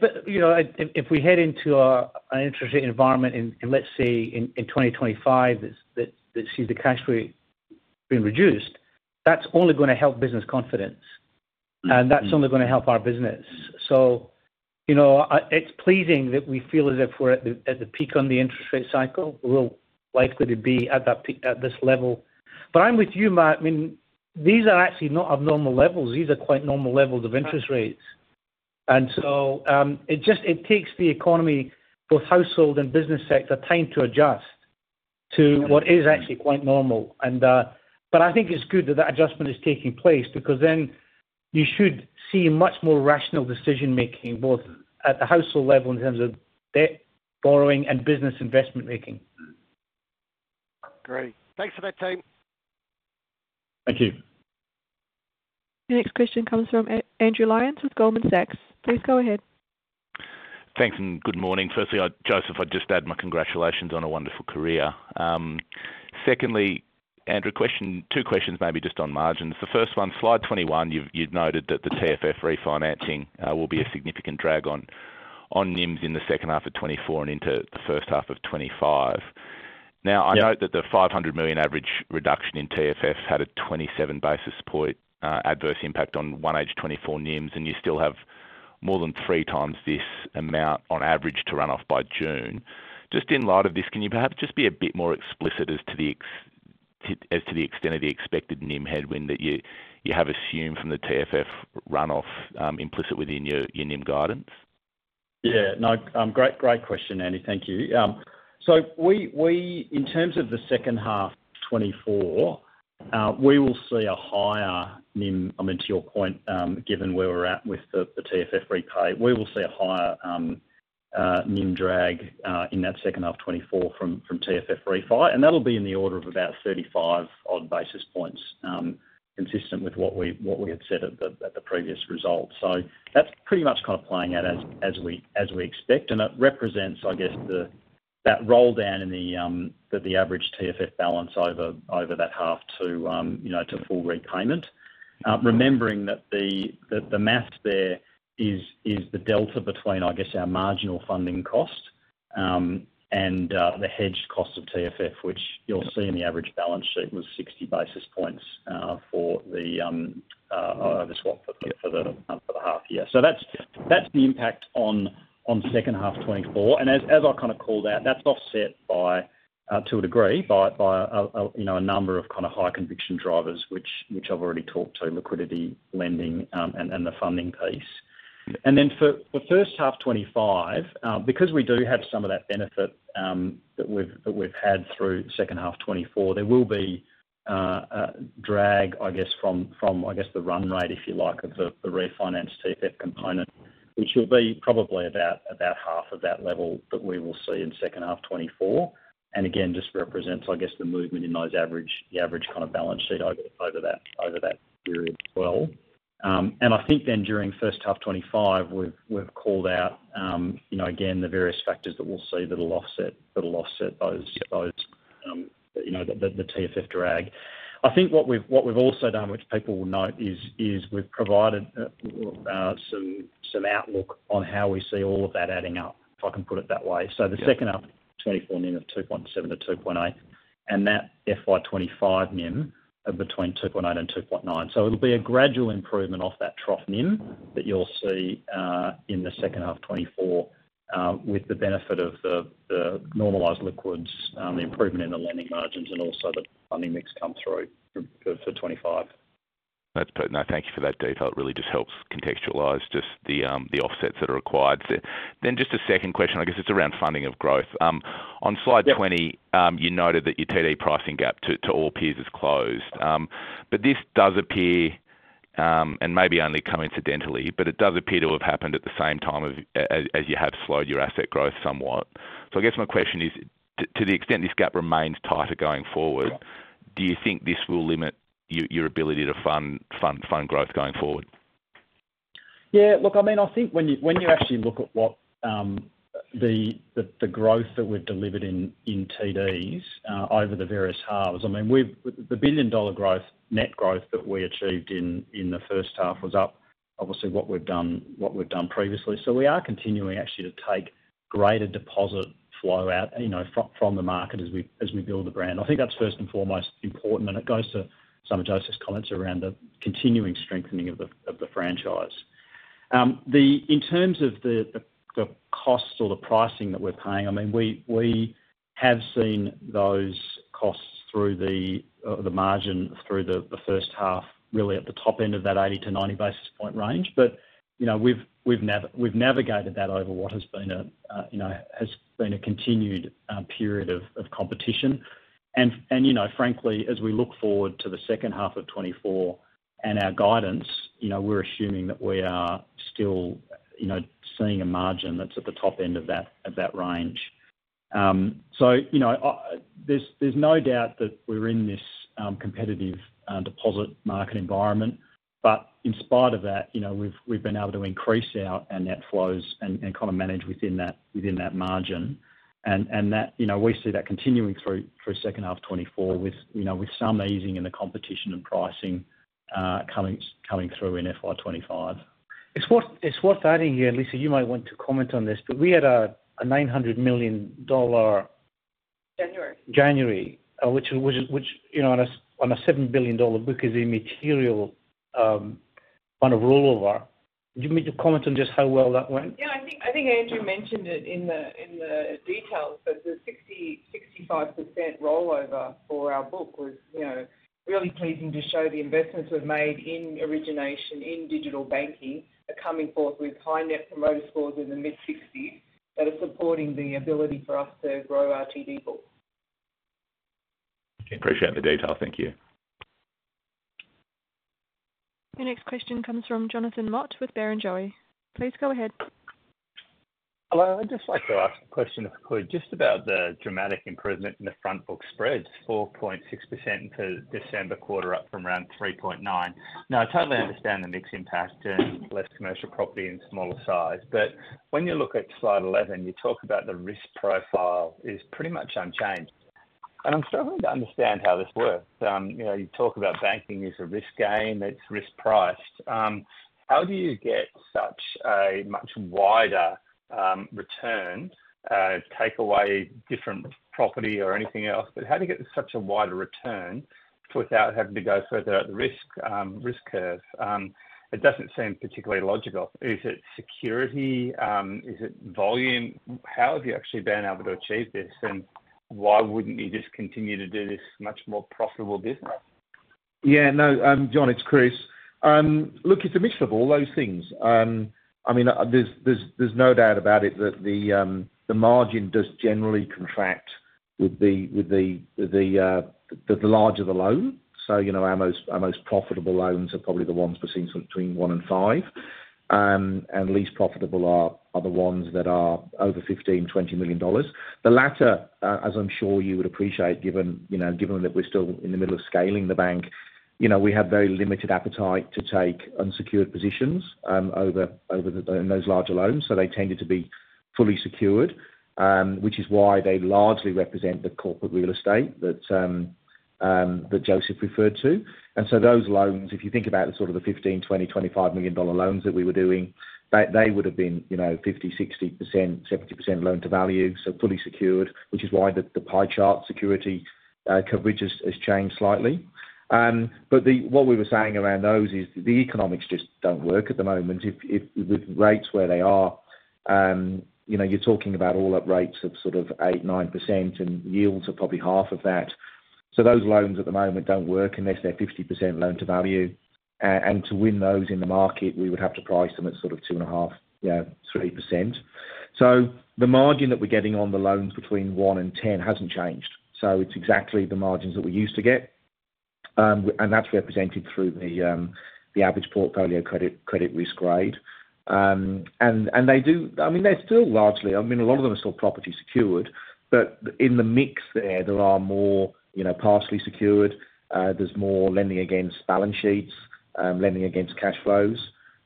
But if we head into an interest rate environment and let's say in 2025 that sees the cash rate being reduced, that's only going to help business confidence. And that's only going to help our business. So it's pleasing that we feel as if we're at the peak on the interest rate cycle. We're likely to be at this level. But I'm with you, Matt. I mean, these are actually not abnormal levels. These are quite normal levels of interest rates. And so it takes the economy, both household and business sector, time to adjust to what is actually quite normal. But I think it's good that that adjustment is taking place because then you should see much more rational decision-making both at the household level in terms of debt borrowing and business investment making. Great. Thanks for that, team. Thank you. The next question comes from Andrew Lyons with Goldman Sachs. Please go ahead. Thanks and good morning. Firstly, Joseph, I'd just add my congratulations on a wonderful career. Secondly, Andrew, two questions maybe just on margins. The first one, slide 21, you'd noted that the TFF refinancing will be a significant drag on NIMs in the second half of 2024 and into the first half of 2025. Now, I note that the 500 million average reduction in TFF had a 27 basis point adverse impact on 1H24 NIMs, and you still have more than three times this amount on average to run off by June. Just in light of this, can you perhaps just be a bit more explicit as to the extent of the expected NIM headwind that you have assumed from the TFF runoff implicit within your NIM guidance? Yeah. No, great question, Andy. Thank you. So in terms of the second half of 2024, we will see a higher NIM. I mean, to your point, given where we're at with the TFF repay, we will see a higher NIM drag in that second half of 2024 from TFF refi. And that'll be in the order of about 35-odd basis points consistent with what we had set at the previous results. So that's pretty much kind of playing out as we expect. And it represents, I guess, that roll-down that the average TFF balance over that half to full repayment, remembering that the math there is the delta between, I guess, our marginal funding cost and the hedged cost of TFF, which you'll see in the average balance sheet was 60 basis points over swap for the half year. So that's the impact on second half of 2024. And as I kind of called out, that's offset to a degree by a number of kind of high-conviction drivers, which I've already talked to: liquidity, lending, and the funding piece. And then for first half of 2025, because we do have some of that benefit that we've had through second half of 2024, there will be a drag, I guess, from, I guess, the run rate, if you like, of the refinanced TFF component, which will be probably about half of that level that we will see in second half of 2024. And again, just represents, I guess, the movement in the average kind of balance sheet, I guess, over that period as well. And I think then during first half of 2025, we've called out, again, the various factors that we'll see that'll offset those, the TFF drag. I think what we've also done, which people will note, is we've provided some outlook on how we see all of that adding up, if I can put it that way. So the second half of 2024 NIM of 2.7-2.8 and that FY 2025 NIM between 2.8 and 2.9. So it'll be a gradual improvement off that trough NIM that you'll see in the second half of 2024 with the benefit of the normalised liquids, the improvement in the lending margins, and also the funding mix come through for 2025. That's brilliant. No, thank you for that detail. It really just helps contextualize just the offsets that are required. Then just a second question. I guess it's around funding of growth. On slide 20, you noted that your TD pricing gap to all peers is closed. But this does appear and maybe only coincidentally, but it does appear to have happened at the same time as you have slowed your asset growth somewhat. So I guess my question is, to the extent this gap remains tighter going forward, do you think this will limit your ability to fund growth going forward? Yeah. Look, I mean, I think when you actually look at the growth that we've delivered in TDs over the various halves I mean, the billion-dollar net growth that we achieved in the first half was up, obviously, what we've done previously. So we are continuing actually to take greater deposit flow out from the market as we build the brand. I think that's first and foremost important. And it goes to some of Joseph's comments around the continuing strengthening of the franchise. In terms of the costs or the pricing that we're paying, I mean, we have seen those costs through the margin through the first half really at the top end of that 80-90 basis point range. But we've navigated that over what has been a continued period of competition. Frankly, as we look forward to the second half of 2024 and our guidance, we're assuming that we are still seeing a margin that's at the top end of that range. There's no doubt that we're in this competitive deposit market environment. But in spite of that, we've been able to increase our net flows and kind of manage within that margin. We see that continuing through second half of 2024 with some easing in the competition and pricing coming through in FY 2025. It's worth adding here, and Lisa, you might want to comment on this, but we had a 900 million dollar January. January, which on a 7 billion dollar book is a material kind of rollover. Do you mean to comment on just how well that went? Yeah. I think Andrew mentioned it in the details, but the 65% rollover for our book was really pleasing to show the investments we've made in origination, in digital banking, are coming forth with high net promoter scores in the mid-60s that are supporting the ability for us to grow our TD book. Appreciate the detail. Thank you. The next question comes from Jonathan Mott with Barrenjoey. Please go ahead. Hello. I'd just like to ask a question, if I could, just about the dramatic improvement in the front book spreads: 4.6% for December quarter, up from around 3.9%. Now, I totally understand the mix impact and less commercial property and smaller size. But when you look at slide 11, you talk about the risk profile is pretty much unchanged. And I'm struggling to understand how this works. You talk about banking as a risk game that's risk-priced. How do you get such a much wider return? Take away different property or anything else, but how do you get such a wider return without having to go further up the risk curve? It doesn't seem particularly logical. Is it security? Is it volume? How have you actually been able to achieve this? And why wouldn't you just continue to do this much more profitable business? Yeah. No, John, it's Chris. Look, it's a mix of all those things. I mean, there's no doubt about it that the margin does generally contract with the larger the loan. So our most profitable loans are probably the ones between 1 million-5 million. And least profitable are the ones that are over 15 million-20 million dollars. The latter, as I'm sure you would appreciate, given that we're still in the middle of scaling the bank, we have very limited appetite to take unsecured positions in those larger loans. So they tended to be fully secured, which is why they largely represent the corporate real estate that Joseph referred to. So those loans, if you think about sort of the 15 million dollar, 20 million, 25 million dollar loans that we were doing, they would have been 50%, 60%, 70% loan to value, so fully secured, which is why the pie chart security coverage has changed slightly. What we were saying around those is the economics just don't work at the moment. With rates where they are, you're talking about all-up rates of sort of 8%-9%, and yields are probably half of that. Those loans at the moment don't work unless they're 50% loan to value. To win those in the market, we would have to price them at sort of 2.5%-3%. The margin that we're getting on the loans between one and 10 hasn't changed. It's exactly the margins that we used to get. That's represented through the average portfolio credit risk grade. I mean, they're still largely I mean, a lot of them are still property secured. But in the mix there, there are more partially secured. There's more lending against balance sheets, lending against cash flows.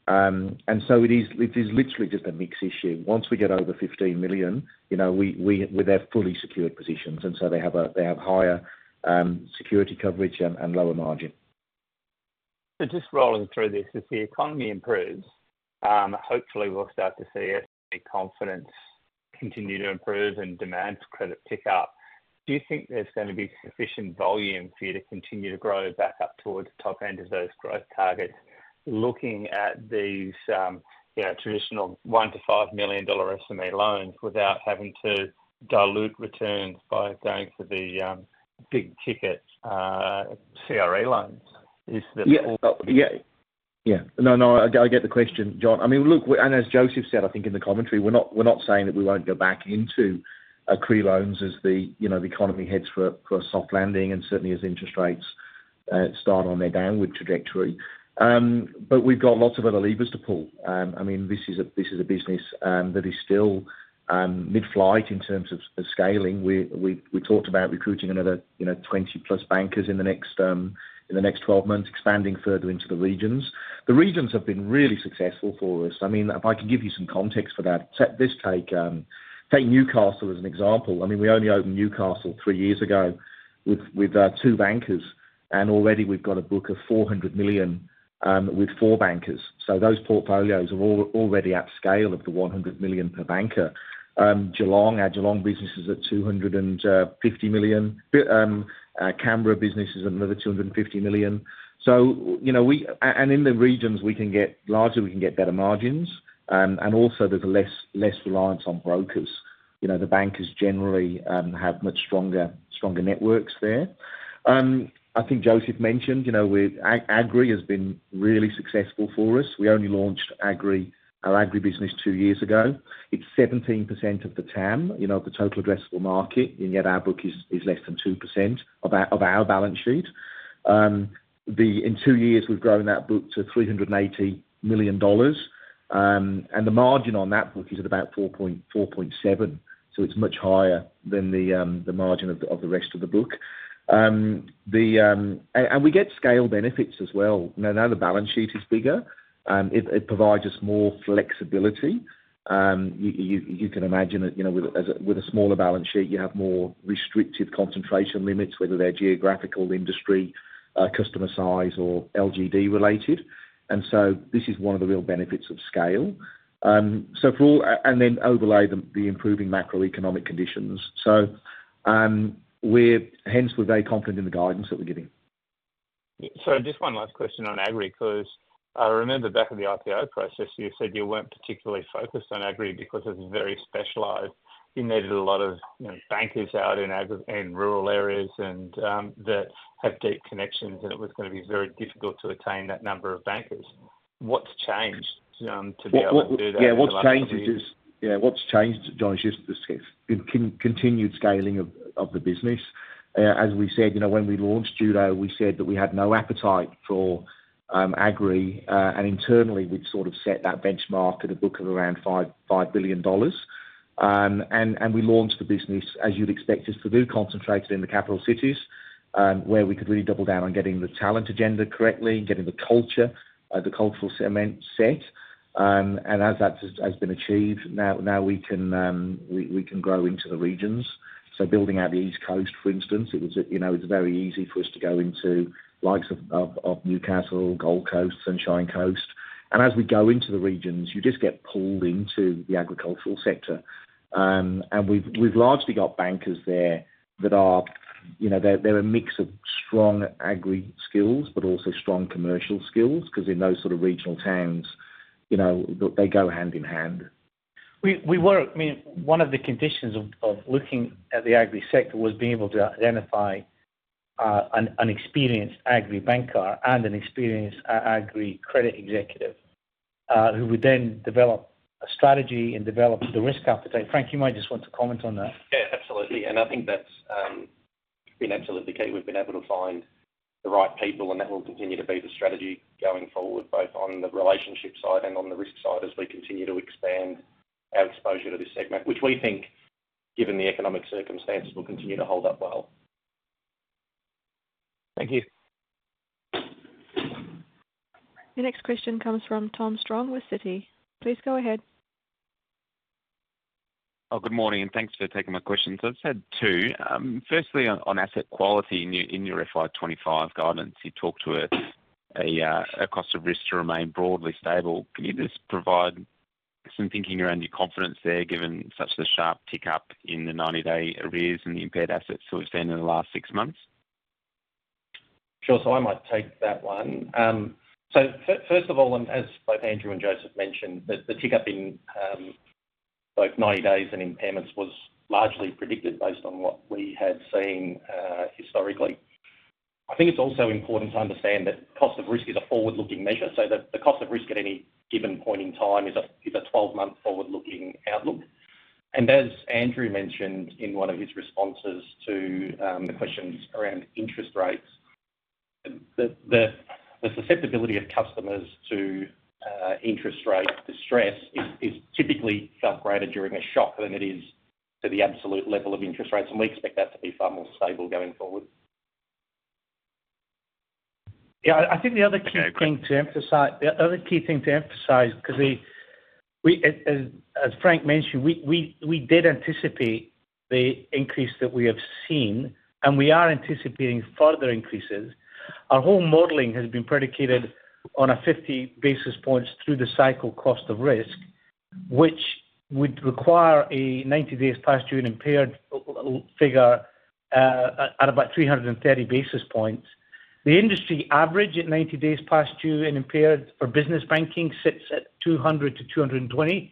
And so it is literally just a mix issue. Once we get over 15 million, we're there fully secured positions. And so they have higher security coverage and lower margin. So just rolling through this, if the economy improves, hopefully, we'll start to see SME confidence continue to improve and demand for credit pick up. Do you think there's going to be sufficient volume for you to continue to grow back up towards the top end of those growth targets looking at these traditional 1 million-5 million dollar SME loans without having to dilute returns by going for the big-ticket CRE loans? Is that all? Yeah. Yeah. No, no, I get the question, John. I mean, look, and as Joseph said, I think, in the commentary, we're not saying that we won't go back into CRE loans as the economy heads for a soft landing and certainly as interest rates start on their downward trajectory. But we've got lots of other levers to pull. I mean, this is a business that is still mid-flight in terms of scaling. We talked about recruiting another 20-plus bankers in the next 12 months, expanding further into the regions. The regions have been really successful for us. I mean, if I can give you some context for that, take Newcastle as an example. I mean, we only opened Newcastle three years ago with two bankers. And already, we've got a book of 400 million with four bankers. So those portfolios are already at scale of 100 million per banker. Geelong, our Geelong business is at 250 million. Canberra business is another 250 million. And in the regions, largely, we can get better margins. And also, there's less reliance on brokers. The bankers generally have much stronger networks there. I think Joseph mentioned agri has been really successful for us. We only launched our agri business two years ago. It's 17% of the TAM, the total addressable market, and yet our book is less than 2% of our balance sheet. In two years, we've grown that book to 380 million dollars. And the margin on that book is at about 4.7%. So it's much higher than the margin of the rest of the book. And we get scale benefits as well. Now, the balance sheet is bigger. It provides us more flexibility. You can imagine that with a smaller balance sheet, you have more restrictive concentration limits, whether they're geographical, industry, customer size, or LGD-related. So this is one of the real benefits of scale. Then overlay the improving macroeconomic conditions. Hence, we're very confident in the guidance that we're giving. Just one last question on Agri because I remember back at the IPO process, you said you weren't particularly focused on Agri because it was very specialized. You needed a lot of bankers out in rural areas that have deep connections, and it was going to be very difficult to attain that number of bankers. What's changed to be able to do that? What's changed, John, is just continued scaling of the business. As we said, when we launched Judo, we said that we had no appetite for Agri. And internally, we'd sort of set that benchmark at a book of around 5 billion dollars. And we launched the business, as you'd expect us to do, concentrated in the capital cities where we could really double down on getting the talent agenda correctly, getting the cultural cement set. And as that has been achieved, now we can grow into the regions. So building out the East Coast, for instance, it was very easy for us to go into likes of Newcastle, Gold Coast, Sunshine Coast. And as we go into the regions, you just get pulled into the agricultural sector. We've largely got bankers there that are a mix of strong agri skills but also strong commercial skills because in those sort of regional towns, they go hand in hand. I mean, one of the conditions of looking at the agri sector was being able to identify an experienced agri banker and an experienced agri credit executive who would then develop a strategy and develop the risk appetite. Frank, you might just want to comment on that. Yeah. Absolutely. And I think that's been absolutely key. We've been able to find the right people, and that will continue to be the strategy going forward both on the relationship side and on the risk side as we continue to expand our exposure to this segment, which we think, given the economic circumstances, will continue to hold up well. Thank you. The next question comes from Tom Strong with Citi. Please go ahead. Oh, good morning. And thanks for taking my questions. I've had two. Firstly, on asset quality in your FY 2025 guidance, you talked to a cost of risk to remain broadly stable. Can you just provide some thinking around your confidence there, given such the sharp tick-up in the 90-day arrears and the impaired assets that we've seen in the last six months? Sure. I might take that one. First of all, and as both Andrew and Joseph mentioned, the tick-up in both 90 days and impairments was largely predicted based on what we had seen historically. I think it's also important to understand that cost of risk is a forward-looking measure. The cost of risk at any given point in time is a 12-month forward-looking outlook. As Andrew mentioned in one of his responses to the questions around interest rates, the susceptibility of customers to interest rate distress is typically felt greater during a shock than it is to the absolute level of interest rates. We expect that to be far more stable going forward. Yeah. I think the other key thing to emphasize because, as Frank mentioned, we did anticipate the increase that we have seen, and we are anticipating further increases. Our whole modeling has been predicated on a 50 basis points through-the-cycle cost of risk, which would require a 90 days past due and impaired figure at about 330 basis points. The industry average at 90 days past due and impaired for business banking sits at 200-220.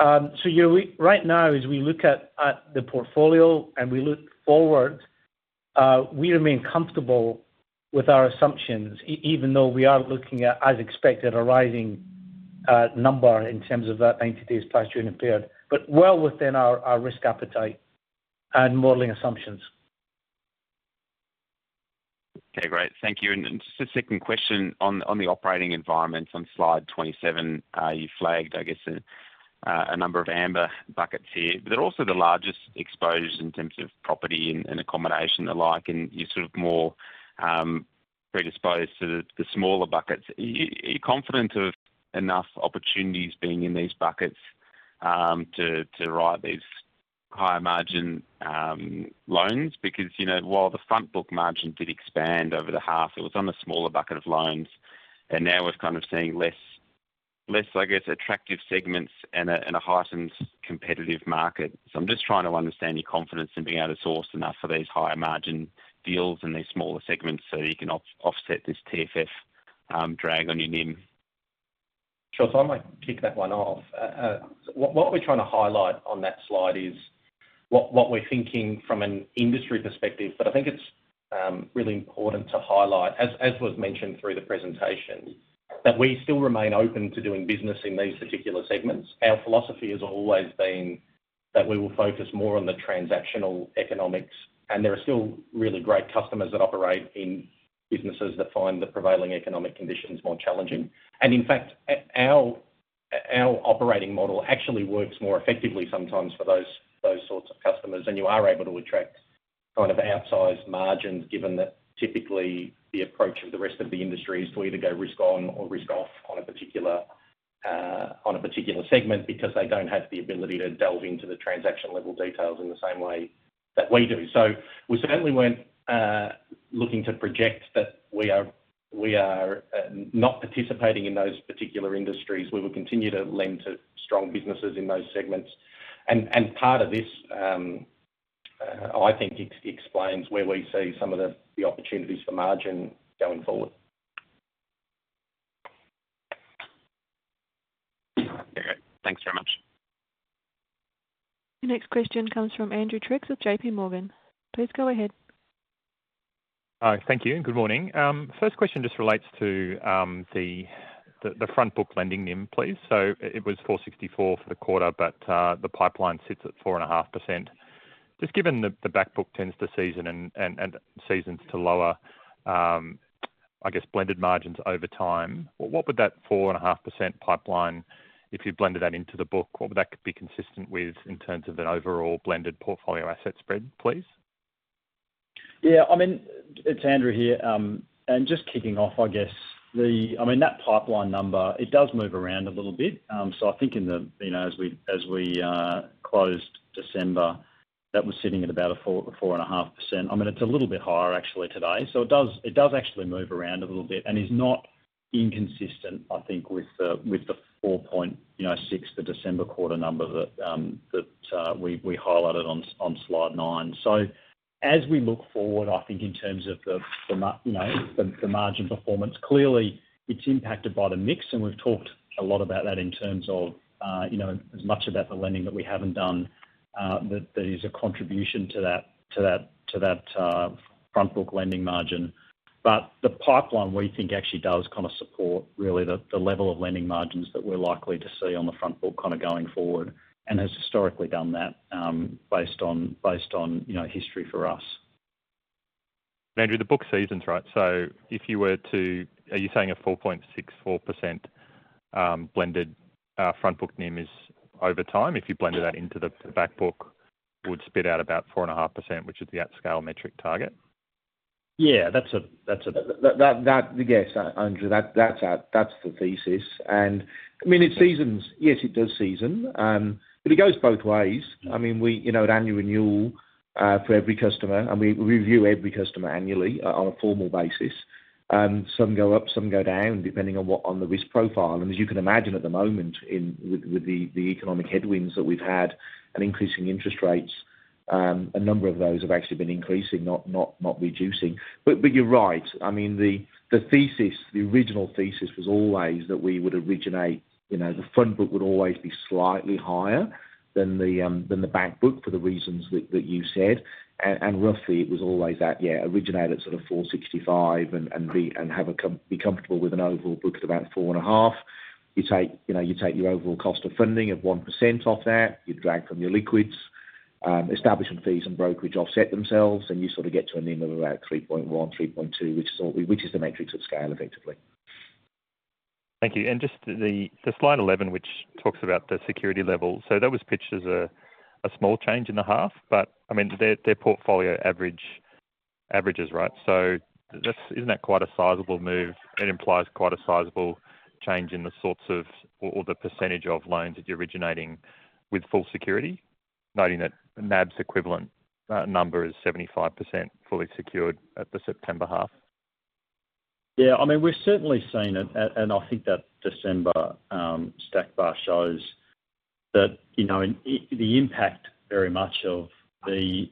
So right now, as we look at the portfolio and we look forward, we remain comfortable with our assumptions, even though we are looking at, as expected, a rising number in terms of that 90 days past due and impaired, but well within our risk appetite and modeling assumptions. Okay. Great. Thank you. And just a second question on the operating environment. On slide 27, you flagged, I guess, a number of amber buckets here. But they're also the largest exposed in terms of property and accommodation alike. And you're sort of more predisposed to the smaller buckets. Are you confident of enough opportunities being in these buckets to write these higher-margin loans? Because while the front book margin did expand over the half, it was on a smaller bucket of loans. And now we're kind of seeing less, I guess, attractive segments and a heightened competitive market. So I'm just trying to understand your confidence in being able to source enough for these higher-margin deals and these smaller segments so that you can offset this TFF drag on your NIM. Sure. So I might kick that one off. What we're trying to highlight on that slide is what we're thinking from an industry perspective. But I think it's really important to highlight, as was mentioned through the presentation, that we still remain open to doing business in these particular segments. Our philosophy has always been that we will focus more on the transactional economics. And there are still really great customers that operate in businesses that find the prevailing economic conditions more challenging. And in fact, our operating model actually works more effectively sometimes for those sorts of customers. And you are able to attract kind of outsized margins, given that typically, the approach of the rest of the industry is to either go risk-on or risk-off on a particular segment because they don't have the ability to delve into the transaction-level details in the same way that we do. We certainly weren't looking to project that we are not participating in those particular industries. We will continue to lend to strong businesses in those segments. Part of this, I think, explains where we see some of the opportunities for margin going forward. Okay. Great. Thanks very much. The next question comes from Andrew Triggs with J.P. Morgan. Please go ahead. Hi. Thank you. Good morning. First question just relates to the front book lending NIM, please. So it was 464 for the quarter, but the pipeline sits at 4.5%. Just given the back book tends to season and seasons to lower, I guess, blended margins over time, what would that 4.5% pipeline, if you blended that into the book, what would that be consistent with in terms of an overall blended portfolio asset spread, please? Yeah. I mean, it's Andrew here. Just kicking off, I guess, I mean, that pipeline number, it does move around a little bit. So I think as we closed December, that was sitting at about 4.5%. I mean, it's a little bit higher, actually, today. So it does actually move around a little bit and is not inconsistent, I think, with the 4.6%, the December quarter number that we highlighted on slide nine. As we look forward, I think, in terms of the margin performance, clearly, it's impacted by the mix. We've talked a lot about that in terms of as much about the lending that we haven't done that is a contribution to that front book lending margin. But the pipeline, we think, actually does kind of support, really, the level of lending margins that we're likely to see on the front book kind of going forward, and has historically done that based on history for us. And Andrew, the book seasoning, right? So if you were to are you saying a 4.64% blended front book NIM is over time? If you blended that into the back book, would spit out about 4.5%, which is the at-scale metric target? Yeah. That's a yes, Andrew, that's the thesis. And I mean, it seasons. Yes, it does season. But it goes both ways. I mean, we're at annual renewal for every customer. And we review every customer annually on a formal basis. Some go up. Some go down depending on the risk profile. And as you can imagine at the moment, with the economic headwinds that we've had and increasing interest rates, a number of those have actually been increasing, not reducing. But you're right. I mean, the thesis, the original thesis, was always that we would originate the front book would always be slightly higher than the back book for the reasons that you said. And roughly, it was always that, yeah, originate at sort of 465 and be comfortable with an overall book at about 4.5. You take your overall cost of funding of 1% off that. You drag from your liquids. Establishment fees and brokerage offset themselves. You sort of get to a NIM of about 3.1%-3.2%, which is the metrics of scale, effectively. Thank you. And just the slide 11, which talks about the security level, so that was pitched as a small change in the half. But I mean, their portfolio averages, right? So isn't that quite a sizable move? It implies quite a sizable change in the sorts of or the percentage of loans that you're originating with full security, noting that NAB's equivalent number is 75% fully secured at the September half? Yeah. I mean, we've certainly seen it. And I think that December stack bar shows that the impact very much of the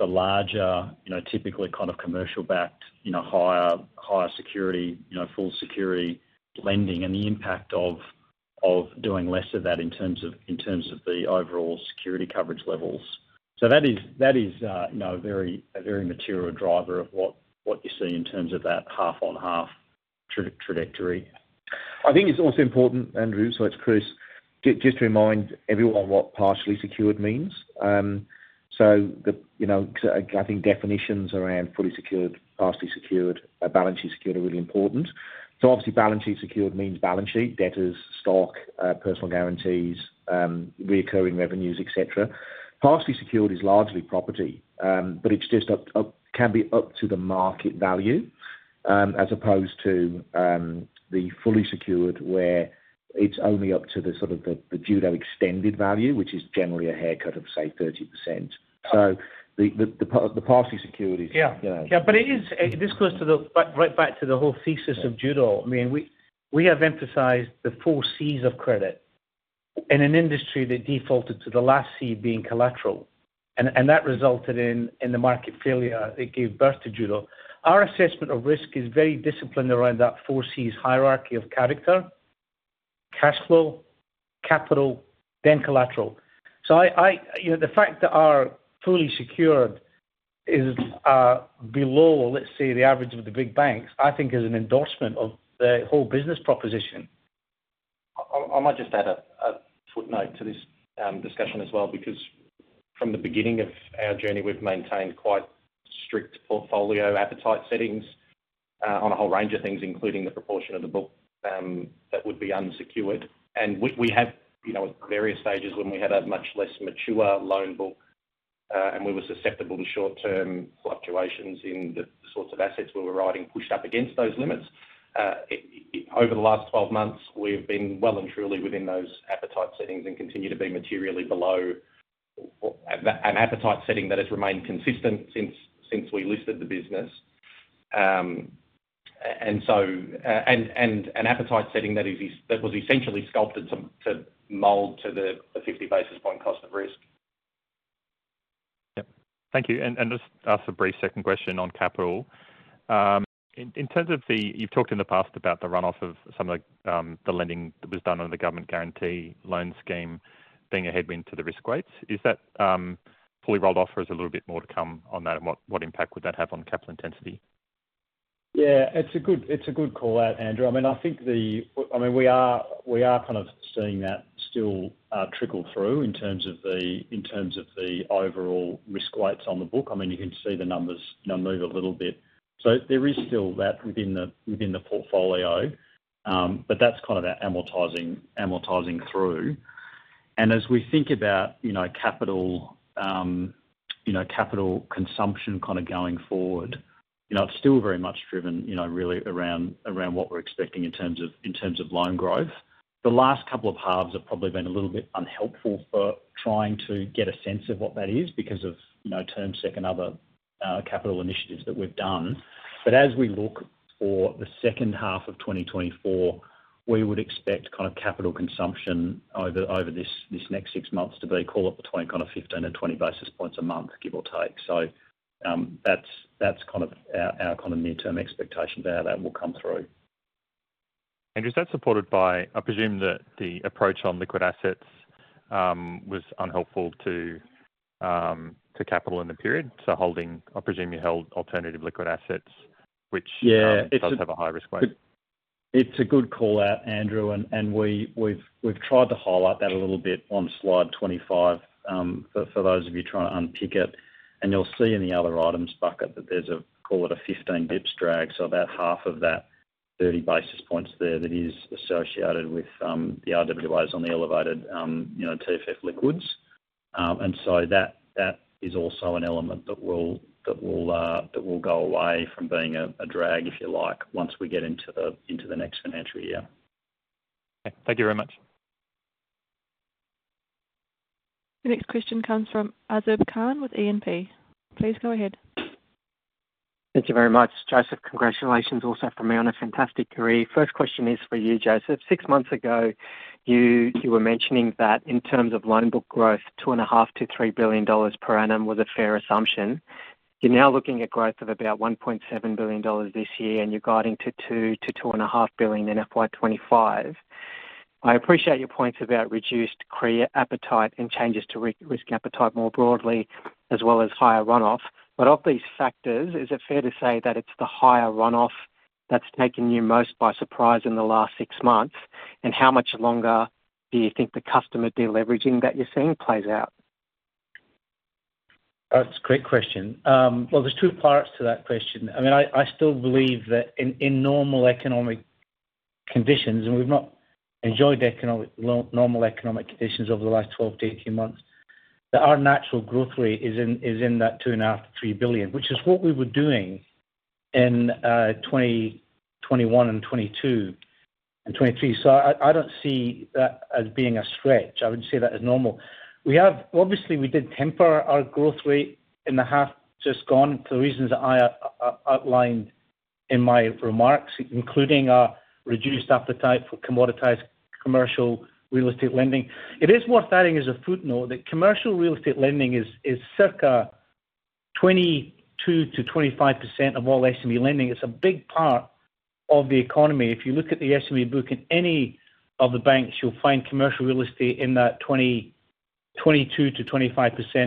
larger, typically kind of commercial-backed, higher security, full security lending and the impact of doing less of that in terms of the overall security coverage levels. So that is a very material driver of what you see in terms of that half-on-half trajectory. I think it's also important, Andrew, so it's Chris, just to remind everyone what partially secured means. So I think definitions around fully secured, partially secured, balance sheet secured are really important. So obviously, balance sheet secured means balance sheet, debtors, stock, personal guarantees, recurring revenues, etc. Partially secured is largely property, but it can be up to the market value as opposed to the fully secured where it's only up to the sort of the Judo extended value, which is generally a haircut of, say, 30%. So the partially secured is. Yeah. Yeah. But this goes right back to the whole thesis of Judo. I mean, we have emphasized the 4 Cs of credit in an industry that defaulted to the last C being collateral. And that resulted in the market failure that gave birth to Judo. Our assessment of risk is very disciplined around that 4 Cs hierarchy of character, cash flow, capital, then collateral. So the fact that our fully secured is below, let's say, the average of the big banks, I think, is an endorsement of the whole business proposition. I might just add a footnote to this discussion as well because from the beginning of our journey, we've maintained quite strict portfolio appetite settings on a whole range of things, including the proportion of the book that would be unsecured. We have, at various stages, when we had a much less mature loan book and we were susceptible to short-term fluctuations in the sorts of assets we were writing, pushed up against those limits. Over the last 12 months, we've been well and truly within those appetite settings and continue to be materially below an appetite setting that has remained consistent since we listed the business and an appetite setting that was essentially sculpted to mold to the 50 basis points cost of risk. Yep. Thank you. Just ask a brief second question on capital. You've talked in the past about the runoff of some of the lending that was done under the government guarantee loan scheme being a headwind to the risk weights. Is that fully rolled off, or is there a little bit more to come on that? And what impact would that have on capital intensity? Yeah. It's a good call out, Andrew. I mean, I think I mean, we are kind of seeing that still trickle through in terms of the overall risk weights on the book. I mean, you can see the numbers move a little bit. So there is still that within the portfolio. But that's kind of that amortizing through. And as we think about capital consumption kind of going forward, it's still very much driven, really, around what we're expecting in terms of loan growth. The last couple of halves have probably been a little bit unhelpful for trying to get a sense of what that is because of Term Sec and other capital initiatives that we've done. But as we look for the second half of 2024, we would expect kind of capital consumption over this next six months to be, call it between, kind of, 15 and 20 basis points a month, give or take. So that's kind of our kind of near-term expectation for how that will come through. Andrew, is that supported by I presume that the approach on liquid assets was unhelpful to capital in the period. So I presume you held alternative liquid assets, which does have a higher risk weight. Yeah. It's a good call out, Andrew. And we've tried to highlight that a little bit on slide 25 for those of you trying to unpick it. And you'll see in the other items bucket that there's a, call it, a 15 bps drag. So about half of that 30 basis points there that is associated with the RWAs on the elevated TFF liquidity. And so that is also an element that will go away from being a drag, if you like, once we get into the next financial year. Okay. Thank you very much. The next question comes from Azib Khan with E&P. Please go ahead. Thank you very much, Joseph. Congratulations also from me on a fantastic career. First question is for you, Joseph. Six months ago, you were mentioning that in terms of loan book growth, 2.5 billion-3 billion dollars per annum was a fair assumption. You're now looking at growth of about 1.7 billion dollars this year. And you're guiding to 2 billion-2.5 billion in FY 2025. I appreciate your points about reduced credit appetite and changes to risk appetite more broadly, as well as higher runoff. But of these factors, is it fair to say that it's the higher runoff that's taken you most by surprise in the last six months? And how much longer do you think the customer deleveraging that you're seeing plays out? That's a great question. Well, there's two parts to that question. I mean, I still believe that in normal economic conditions and we've not enjoyed normal economic conditions over the last 12, 18 months. That our natural growth rate is in that 2.5 billion-3 billion, which is what we were doing in 2021 and 2022 and 2023. So I don't see that as being a stretch. I would say that is normal. Obviously, we did temper our growth rate in the half just gone for the reasons that I outlined in my remarks, including our reduced appetite for commoditized commercial real estate lending. It is worth adding as a footnote that commercial real estate lending is circa 22%-25% of all SME lending. It's a big part of the economy. If you look at the SME book in any of the banks, you'll find commercial real estate in that 22%-25%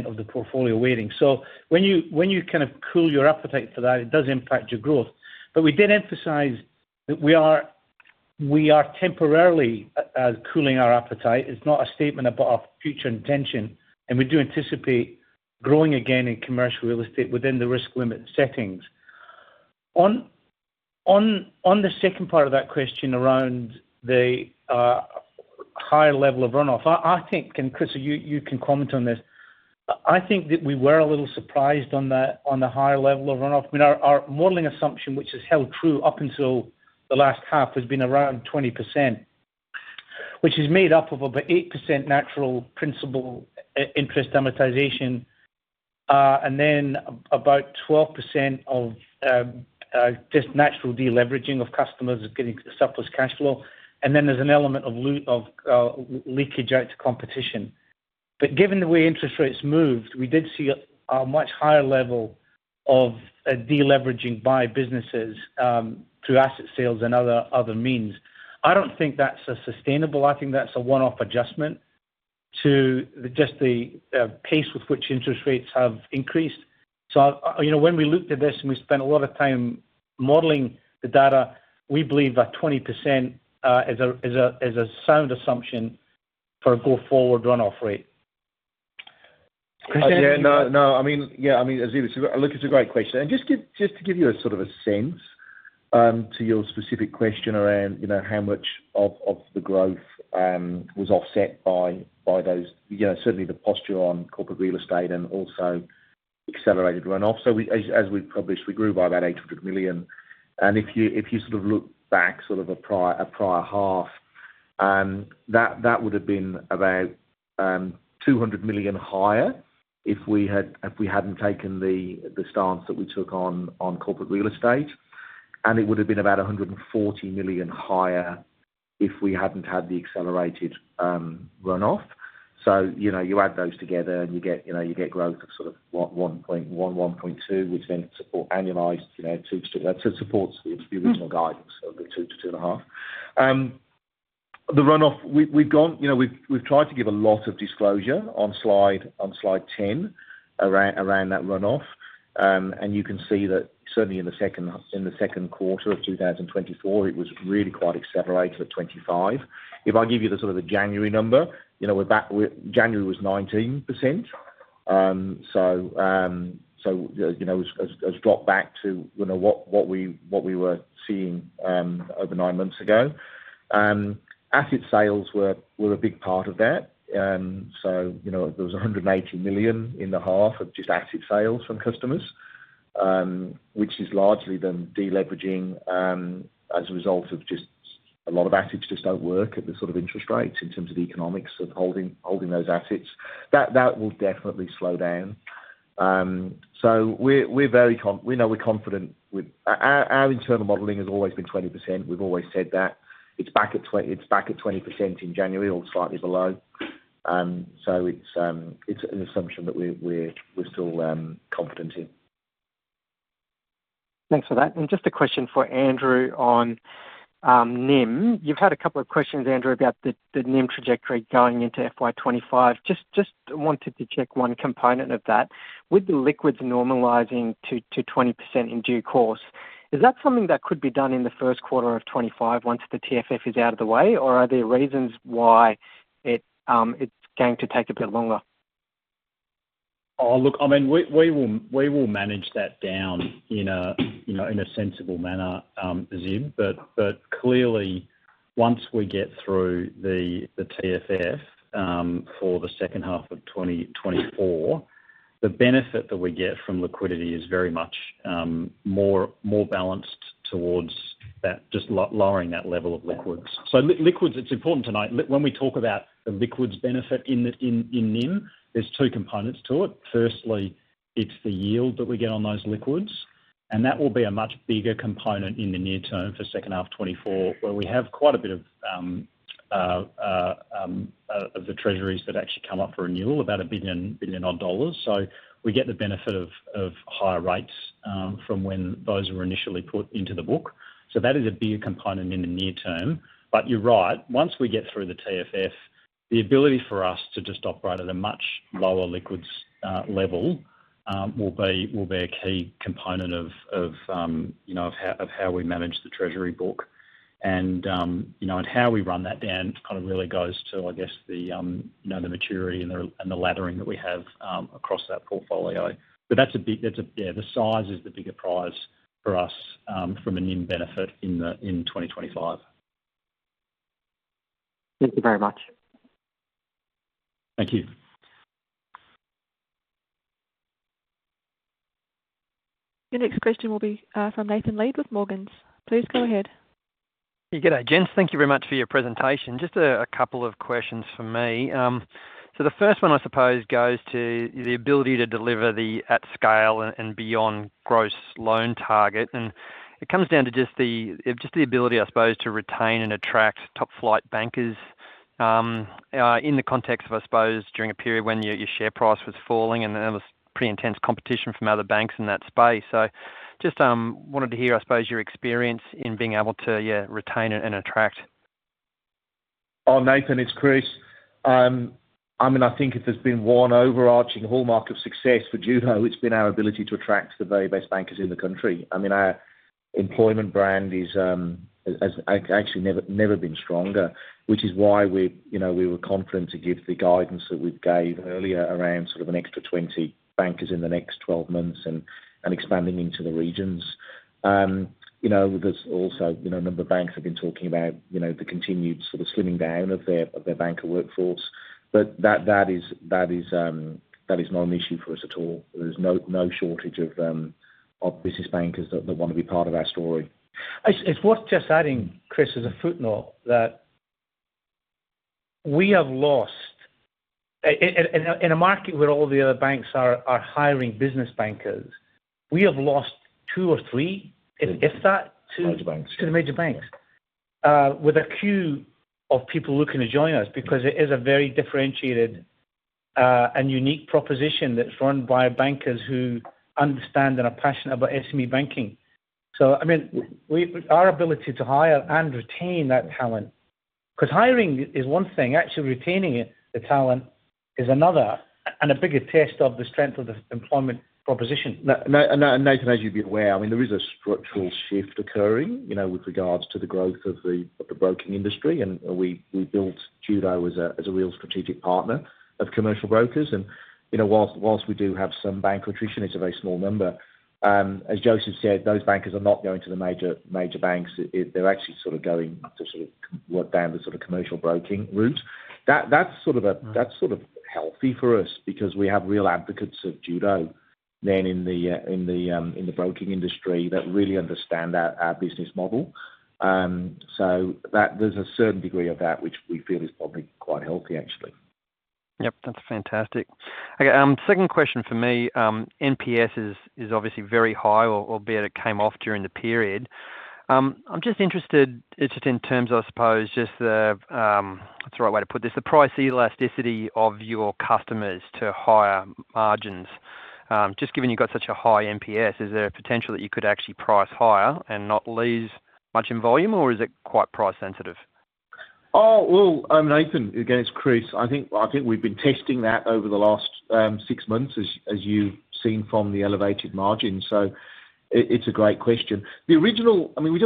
of the portfolio weighting. So when you kind of cool your appetite for that, it does impact your growth. But we did emphasize that we are temporarily cooling our appetite. It's not a statement about our future intention. And we do anticipate growing again in commercial real estate within the risk limit settings. On the second part of that question around the higher level of runoff, I think and Chris, you can comment on this. I think that we were a little surprised on the higher level of runoff. I mean, our modeling assumption, which has held true up until the last half, has been around 20%, which is made up of about 8% natural principal interest amortization and then about 12% of just natural deleveraging of customers getting surplus cash flow. And then there's an element of leakage out to competition. But given the way interest rates moved, we did see a much higher level of deleveraging by businesses through asset sales and other means. I don't think that's sustainable. I think that's a one-off adjustment to just the pace with which interest rates have increased. So when we looked at this and we spent a lot of time modeling the data, we believe that 20% is a sound assumption for a go-forward runoff rate. Chris, anything else? Yeah. No. No. I mean, yeah. I mean, Azib, I think it's a great question. And just to give you sort of a sense to your specific question around how much of the growth was offset by those, certainly the posture on corporate real estate and also accelerated runoff. So as we published, we grew by about 800 million. And if you sort of look back sort of a prior half, that would have been about 200 million higher if we hadn't taken the stance that we took on corporate real estate. And it would have been about 140 million higher if we hadn't had the accelerated runoff. So you add those together, and you get growth of sort of 1.2 billion, which then supports annualized 2-2 That supports the original guidance of the 2 billion-2.5 billion. The runoff, we've tried to give a lot of disclosure on slide 10 around that runoff. You can see that certainly in the second quarter of 2024, it was really quite accelerated at 25%. If I give you sort of the January number, January was 19%. So it's dropped back to what we were seeing over nine months ago. Asset sales were a big part of that. There was 180 million in the half of just asset sales from customers, which is largely them deleveraging as a result of just a lot of assets just don't work at the sort of interest rates in terms of the economics of holding those assets. That will definitely slow down. We know we're confident with our internal modeling has always been 20%. We've always said that. It's back at 20% in January or slightly below. So it's an assumption that we're still confident in. Thanks for that. And just a question for Andrew on NIM. You've had a couple of questions, Andrew, about the NIM trajectory going into FY 2025. Just wanted to check one component of that. With the liquids normalising to 20% in due course, is that something that could be done in the first quarter of 2025 once the TFF is out of the way? Or are there reasons why it's going to take a bit longer? Oh, look, I mean, we will manage that down in a sensible manner, Azib. But clearly, once we get through the TFF for the second half of 2024, the benefit that we get from liquidity is very much more balanced towards just lowering that level of liquids. So liquids, it's important tonight. When we talk about the liquids benefit in NIM, there are two components to it. Firstly, it's the yield that we get on those liquids. And that will be a much bigger component in the near term for second half 2024 where we have quite a bit of the treasuries that actually come up for renewal, about 1 billion dollars. So we get the benefit of higher rates from when those were initially put into the book. So that is a bigger component in the near term. But you're right. Once we get through the TFF, the ability for us to just operate at a much lower liquidity level will be a key component of how we manage the treasury book. And how we run that down kind of really goes to, I guess, the maturity and the laddering that we have across that portfolio. But that's a big yeah, the size is the bigger prize for us from a NIM benefit in 2025. Thank you very much. Thank you. Your next question will be from Nathan Lead with Morgans. Please go ahead. You get it. Gents, thank you very much for your presentation. Just a couple of questions for me. So the first one, I suppose, goes to the ability to deliver the at-scale and beyond gross loan target. And it comes down to just the ability, I suppose, to retain and attract top-flight bankers in the context of, I suppose, during a period when your share price was falling and there was pretty intense competition from other banks in that space. So just wanted to hear, I suppose, your experience in being able to, yeah, retain and attract. Oh, Nathan, it's Chris. I mean, I think if there's been one overarching hallmark of success for Judo, it's been our ability to attract the very best bankers in the country. I mean, our employment brand has actually never been stronger, which is why we were confident to give the guidance that we gave earlier around sort of an extra 20 bankers in the next 12 months and expanding into the regions. There's also a number of banks have been talking about the continued sort of slimming down of their banker workforce. But that is not an issue for us at all. There's no shortage of business bankers that want to be part of our story. It's worth just adding, Chris, as a footnote, that we have lost in a market where all the other banks are hiring business bankers, we have lost two or three, if that, to. To the major banks. To the major banks with a queue of people looking to join us because it is a very differentiated and unique proposition that's run by bankers who understand and are passionate about SME banking. So I mean, our ability to hire and retain that talent because hiring is one thing. Actually retaining the talent is another and a bigger test of the strength of the employment proposition. Nathan, as you'll be aware, I mean, there is a structural shift occurring with regards to the growth of the broking industry. We built Judo as a real strategic partner of commercial brokers. While we do have some bank attrition, it's a very small number. As Joseph said, those bankers are not going to the major banks. They're actually sort of going to sort of work down the sort of commercial broking route. That's sort of healthy for us because we have real advocates of Judo in the broking industry that really understand our business model. There's a certain degree of that, which we feel is probably quite healthy, actually. Yep. That's fantastic. Okay. Second question for me. NPS is obviously very high, albeit it came off during the period. I'm just interested just in terms, I suppose, just the what's the right way to put this? The price elasticity of your customers to higher margins. Just given you've got such a high NPS, is there a potential that you could actually price higher and not lose much in volume? Or is it quite price-sensitive? Oh, well, I mean, Nathan, against Chris, I think we've been testing that over the last six months, as you've seen from the elevated margins. So it's a great question. I mean, we did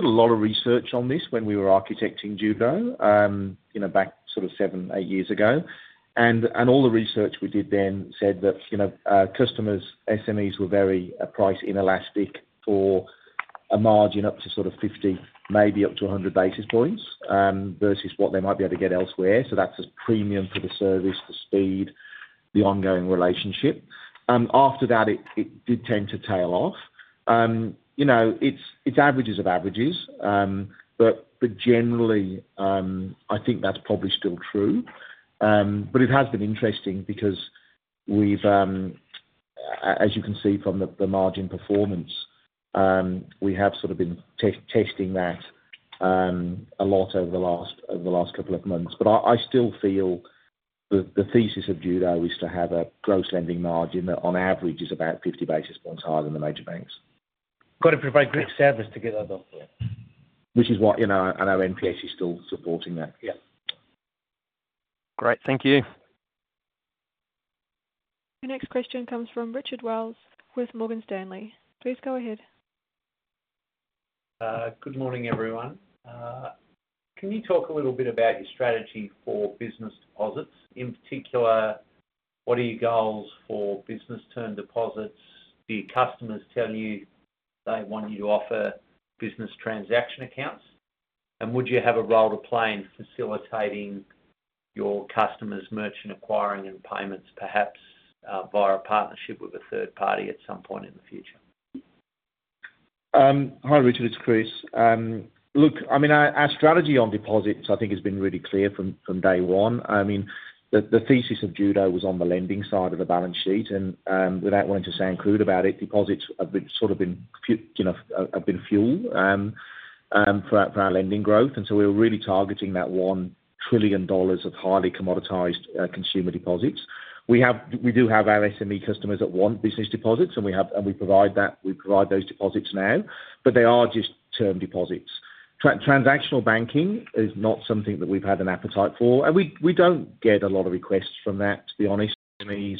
a lot of research on this when we were architecting Judo back sort of seven, eight years ago. And all the research we did then said that customers, SMEs, were very price inelastic for a margin up to sort of 50, maybe up to 100 basis points versus what they might be able to get elsewhere. So that's a premium for the service, the speed, the ongoing relationship. After that, it did tend to tail off. It's averages of averages. But generally, I think that's probably still true. But it has been interesting because, as you can see from the margin performance, we have sort of been testing that a lot over the last couple of months. But I still feel the thesis of Judo is to have a gross lending margin that, on average, is about 50 basis points higher than the major banks. Got to provide great service to get that done, yeah. Which is why I know NPS is still supporting that. Yeah. Great. Thank you. Your next question comes from Richard Wiles with Morgan Stanley. Please go ahead. Good morning, everyone. Can you talk a little bit about your strategy for business deposits? In particular, what are your goals for business term deposits? Do your customers tell you they want you to offer business transaction accounts? Would you have a role to play in facilitating your customers' merchant acquiring and payments, perhaps via a partnership with a third party at some point in the future? Hi, Richard. It's Chris. Look, I mean, our strategy on deposits, I think, has been really clear from day one. I mean, the thesis of Judo was on the lending side of the balance sheet. Without wanting to sound crude about it, deposits have sort of been fuel for our lending growth. So we were really targeting that 1 trillion dollars of highly commoditized consumer deposits. We do have our SME customers that want business deposits, and we provide those deposits now. But they are just term deposits. Transactional banking is not something that we've had an appetite for. We don't get a lot of requests from that, to be honest. SMEs,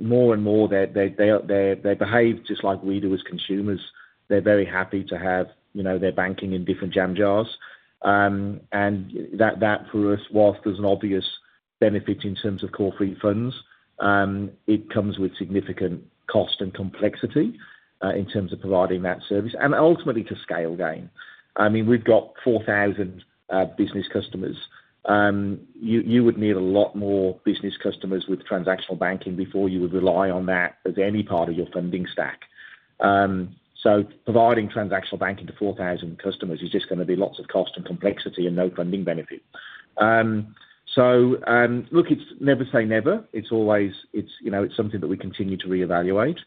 more and more, they behave just like we do as consumers. They're very happy to have their banking in different jam jars. And that, for us, while there's an obvious benefit in terms of cost-free funds, it comes with significant cost and complexity in terms of providing that service and ultimately to scale gain. I mean, we've got 4,000 business customers. You would need a lot more business customers with transactional banking before you would rely on that as any part of your funding stack. So providing transactional banking to 4,000 customers is just going to be lots of cost and complexity and no funding benefit. So look, it's never say never. It's always it's something that we continue to reevaluate.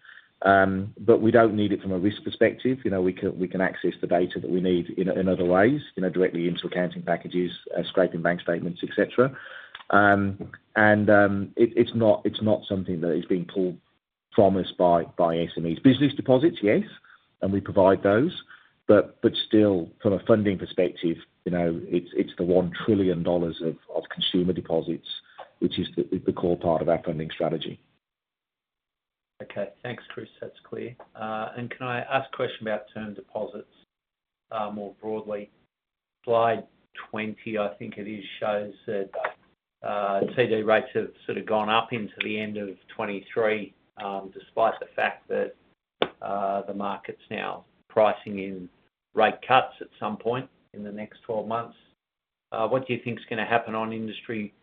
But we don't need it from a risk perspective. We can access the data that we need in other ways, directly into accounting packages, scraping bank statements, etc. And it's not something that is being promised by SMEs. Business deposits, yes. And we provide those. But still, from a funding perspective, it's the 1 trillion dollars of consumer deposits, which is the core part of our funding strategy. Okay. Thanks, Chris. That's clear. And can I ask a question about term deposits more broadly? Slide 20, I think it is, shows that TD rates have sort of gone up into the end of 2023 despite the fact that the market's now pricing in rate cuts at some point in the next 12 months. What do you think's going to happen on industry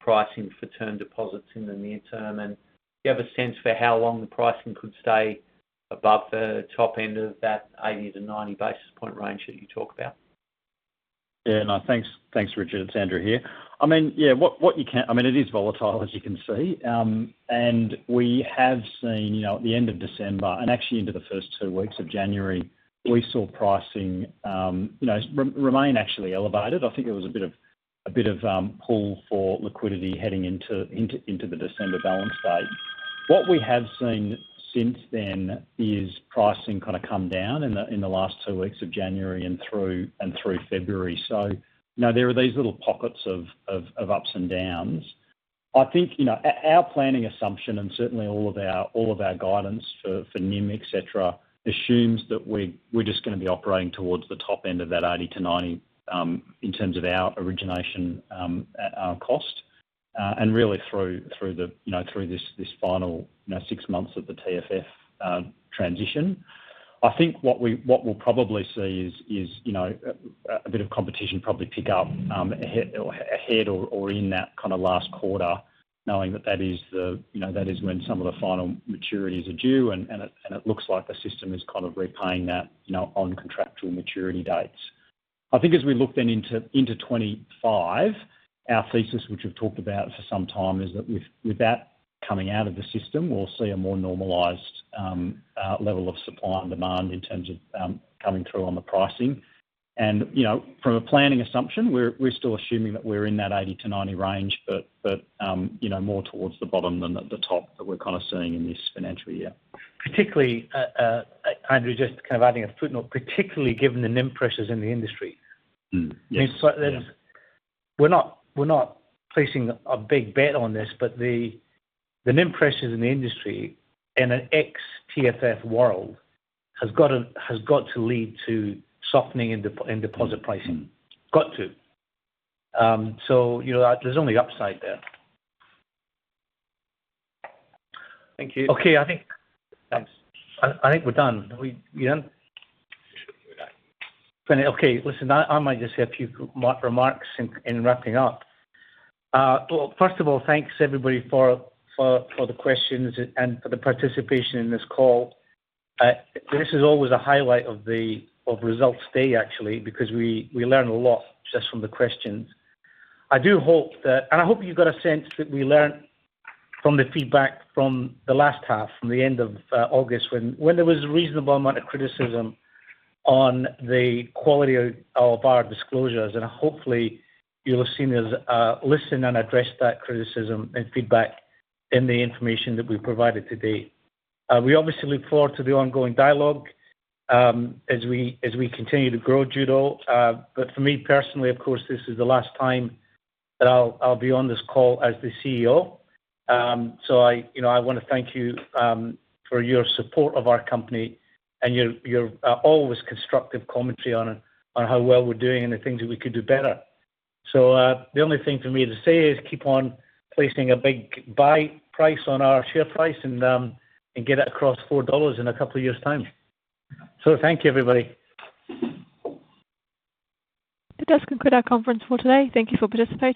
pricing for term deposits in the near term? And do you have a sense for how long the pricing could stay above the top end of that 80-90 basis point range that you talk about? Yeah. No, thanks, Richard. It's Andrew here. I mean, yeah, I mean, it is volatile, as you can see. We have seen at the end of December and actually into the first two weeks of January, we saw pricing remain actually elevated. I think there was a bit of pull for liquidity heading into the December balance date. What we have seen since then is pricing kind of come down in the last two weeks of January and through February. So there are these little pockets of ups and downs. I think our planning assumption and certainly all of our guidance for NIM, etc., assumes that we're just going to be operating towards the top end of that 80-90 in terms of our origination cost and really through this final six months of the TFF transition. I think what we'll probably see is a bit of competition probably pick up ahead or in that kind of last quarter, knowing that that is when some of the final maturities are due. And it looks like the system is kind of repaying that on contractual maturity dates. I think as we look then into 2025, our thesis, which we've talked about for some time, is that with that coming out of the system, we'll see a more normalized level of supply and demand in terms of coming through on the pricing. And from a planning assumption, we're still assuming that we're in that 80-90 range but more towards the bottom than the top that we're kind of seeing in this financial year. Particularly, Andrew, just kind of adding a footnote, particularly given the NIM pressures in the industry. I mean, we're not placing a big bet on this. But the NIM pressures in the industry in an ex-TFF world has got to lead to softening in deposit pricing. Got to. So there's only upside there. Thank you. Okay. I think we're done. Are we done? Okay. Listen, I might just say a few remarks in wrapping up. Well, first of all, thanks, everybody, for the questions and for the participation in this call. This is always a highlight of results day, actually, because we learn a lot just from the questions. I do hope that and I hope you've got a sense that we learned from the feedback from the last half, from the end of August, when there was a reasonable amount of criticism on the quality of our disclosures. Hopefully, you'll have seen us listen and address that criticism and feedback in the information that we've provided to date. We obviously look forward to the ongoing dialogue as we continue to grow Judo. But for me personally, of course, this is the last time that I'll be on this call as the CEO. So I want to thank you for your support of our company and your always constructive commentary on how well we're doing and the things that we could do better. So the only thing for me to say is keep on placing a big buy price on our share price and get it across 4 dollars in a couple of years' time. So thank you, everybody. That does conclude our conference for today. Thank you for participating.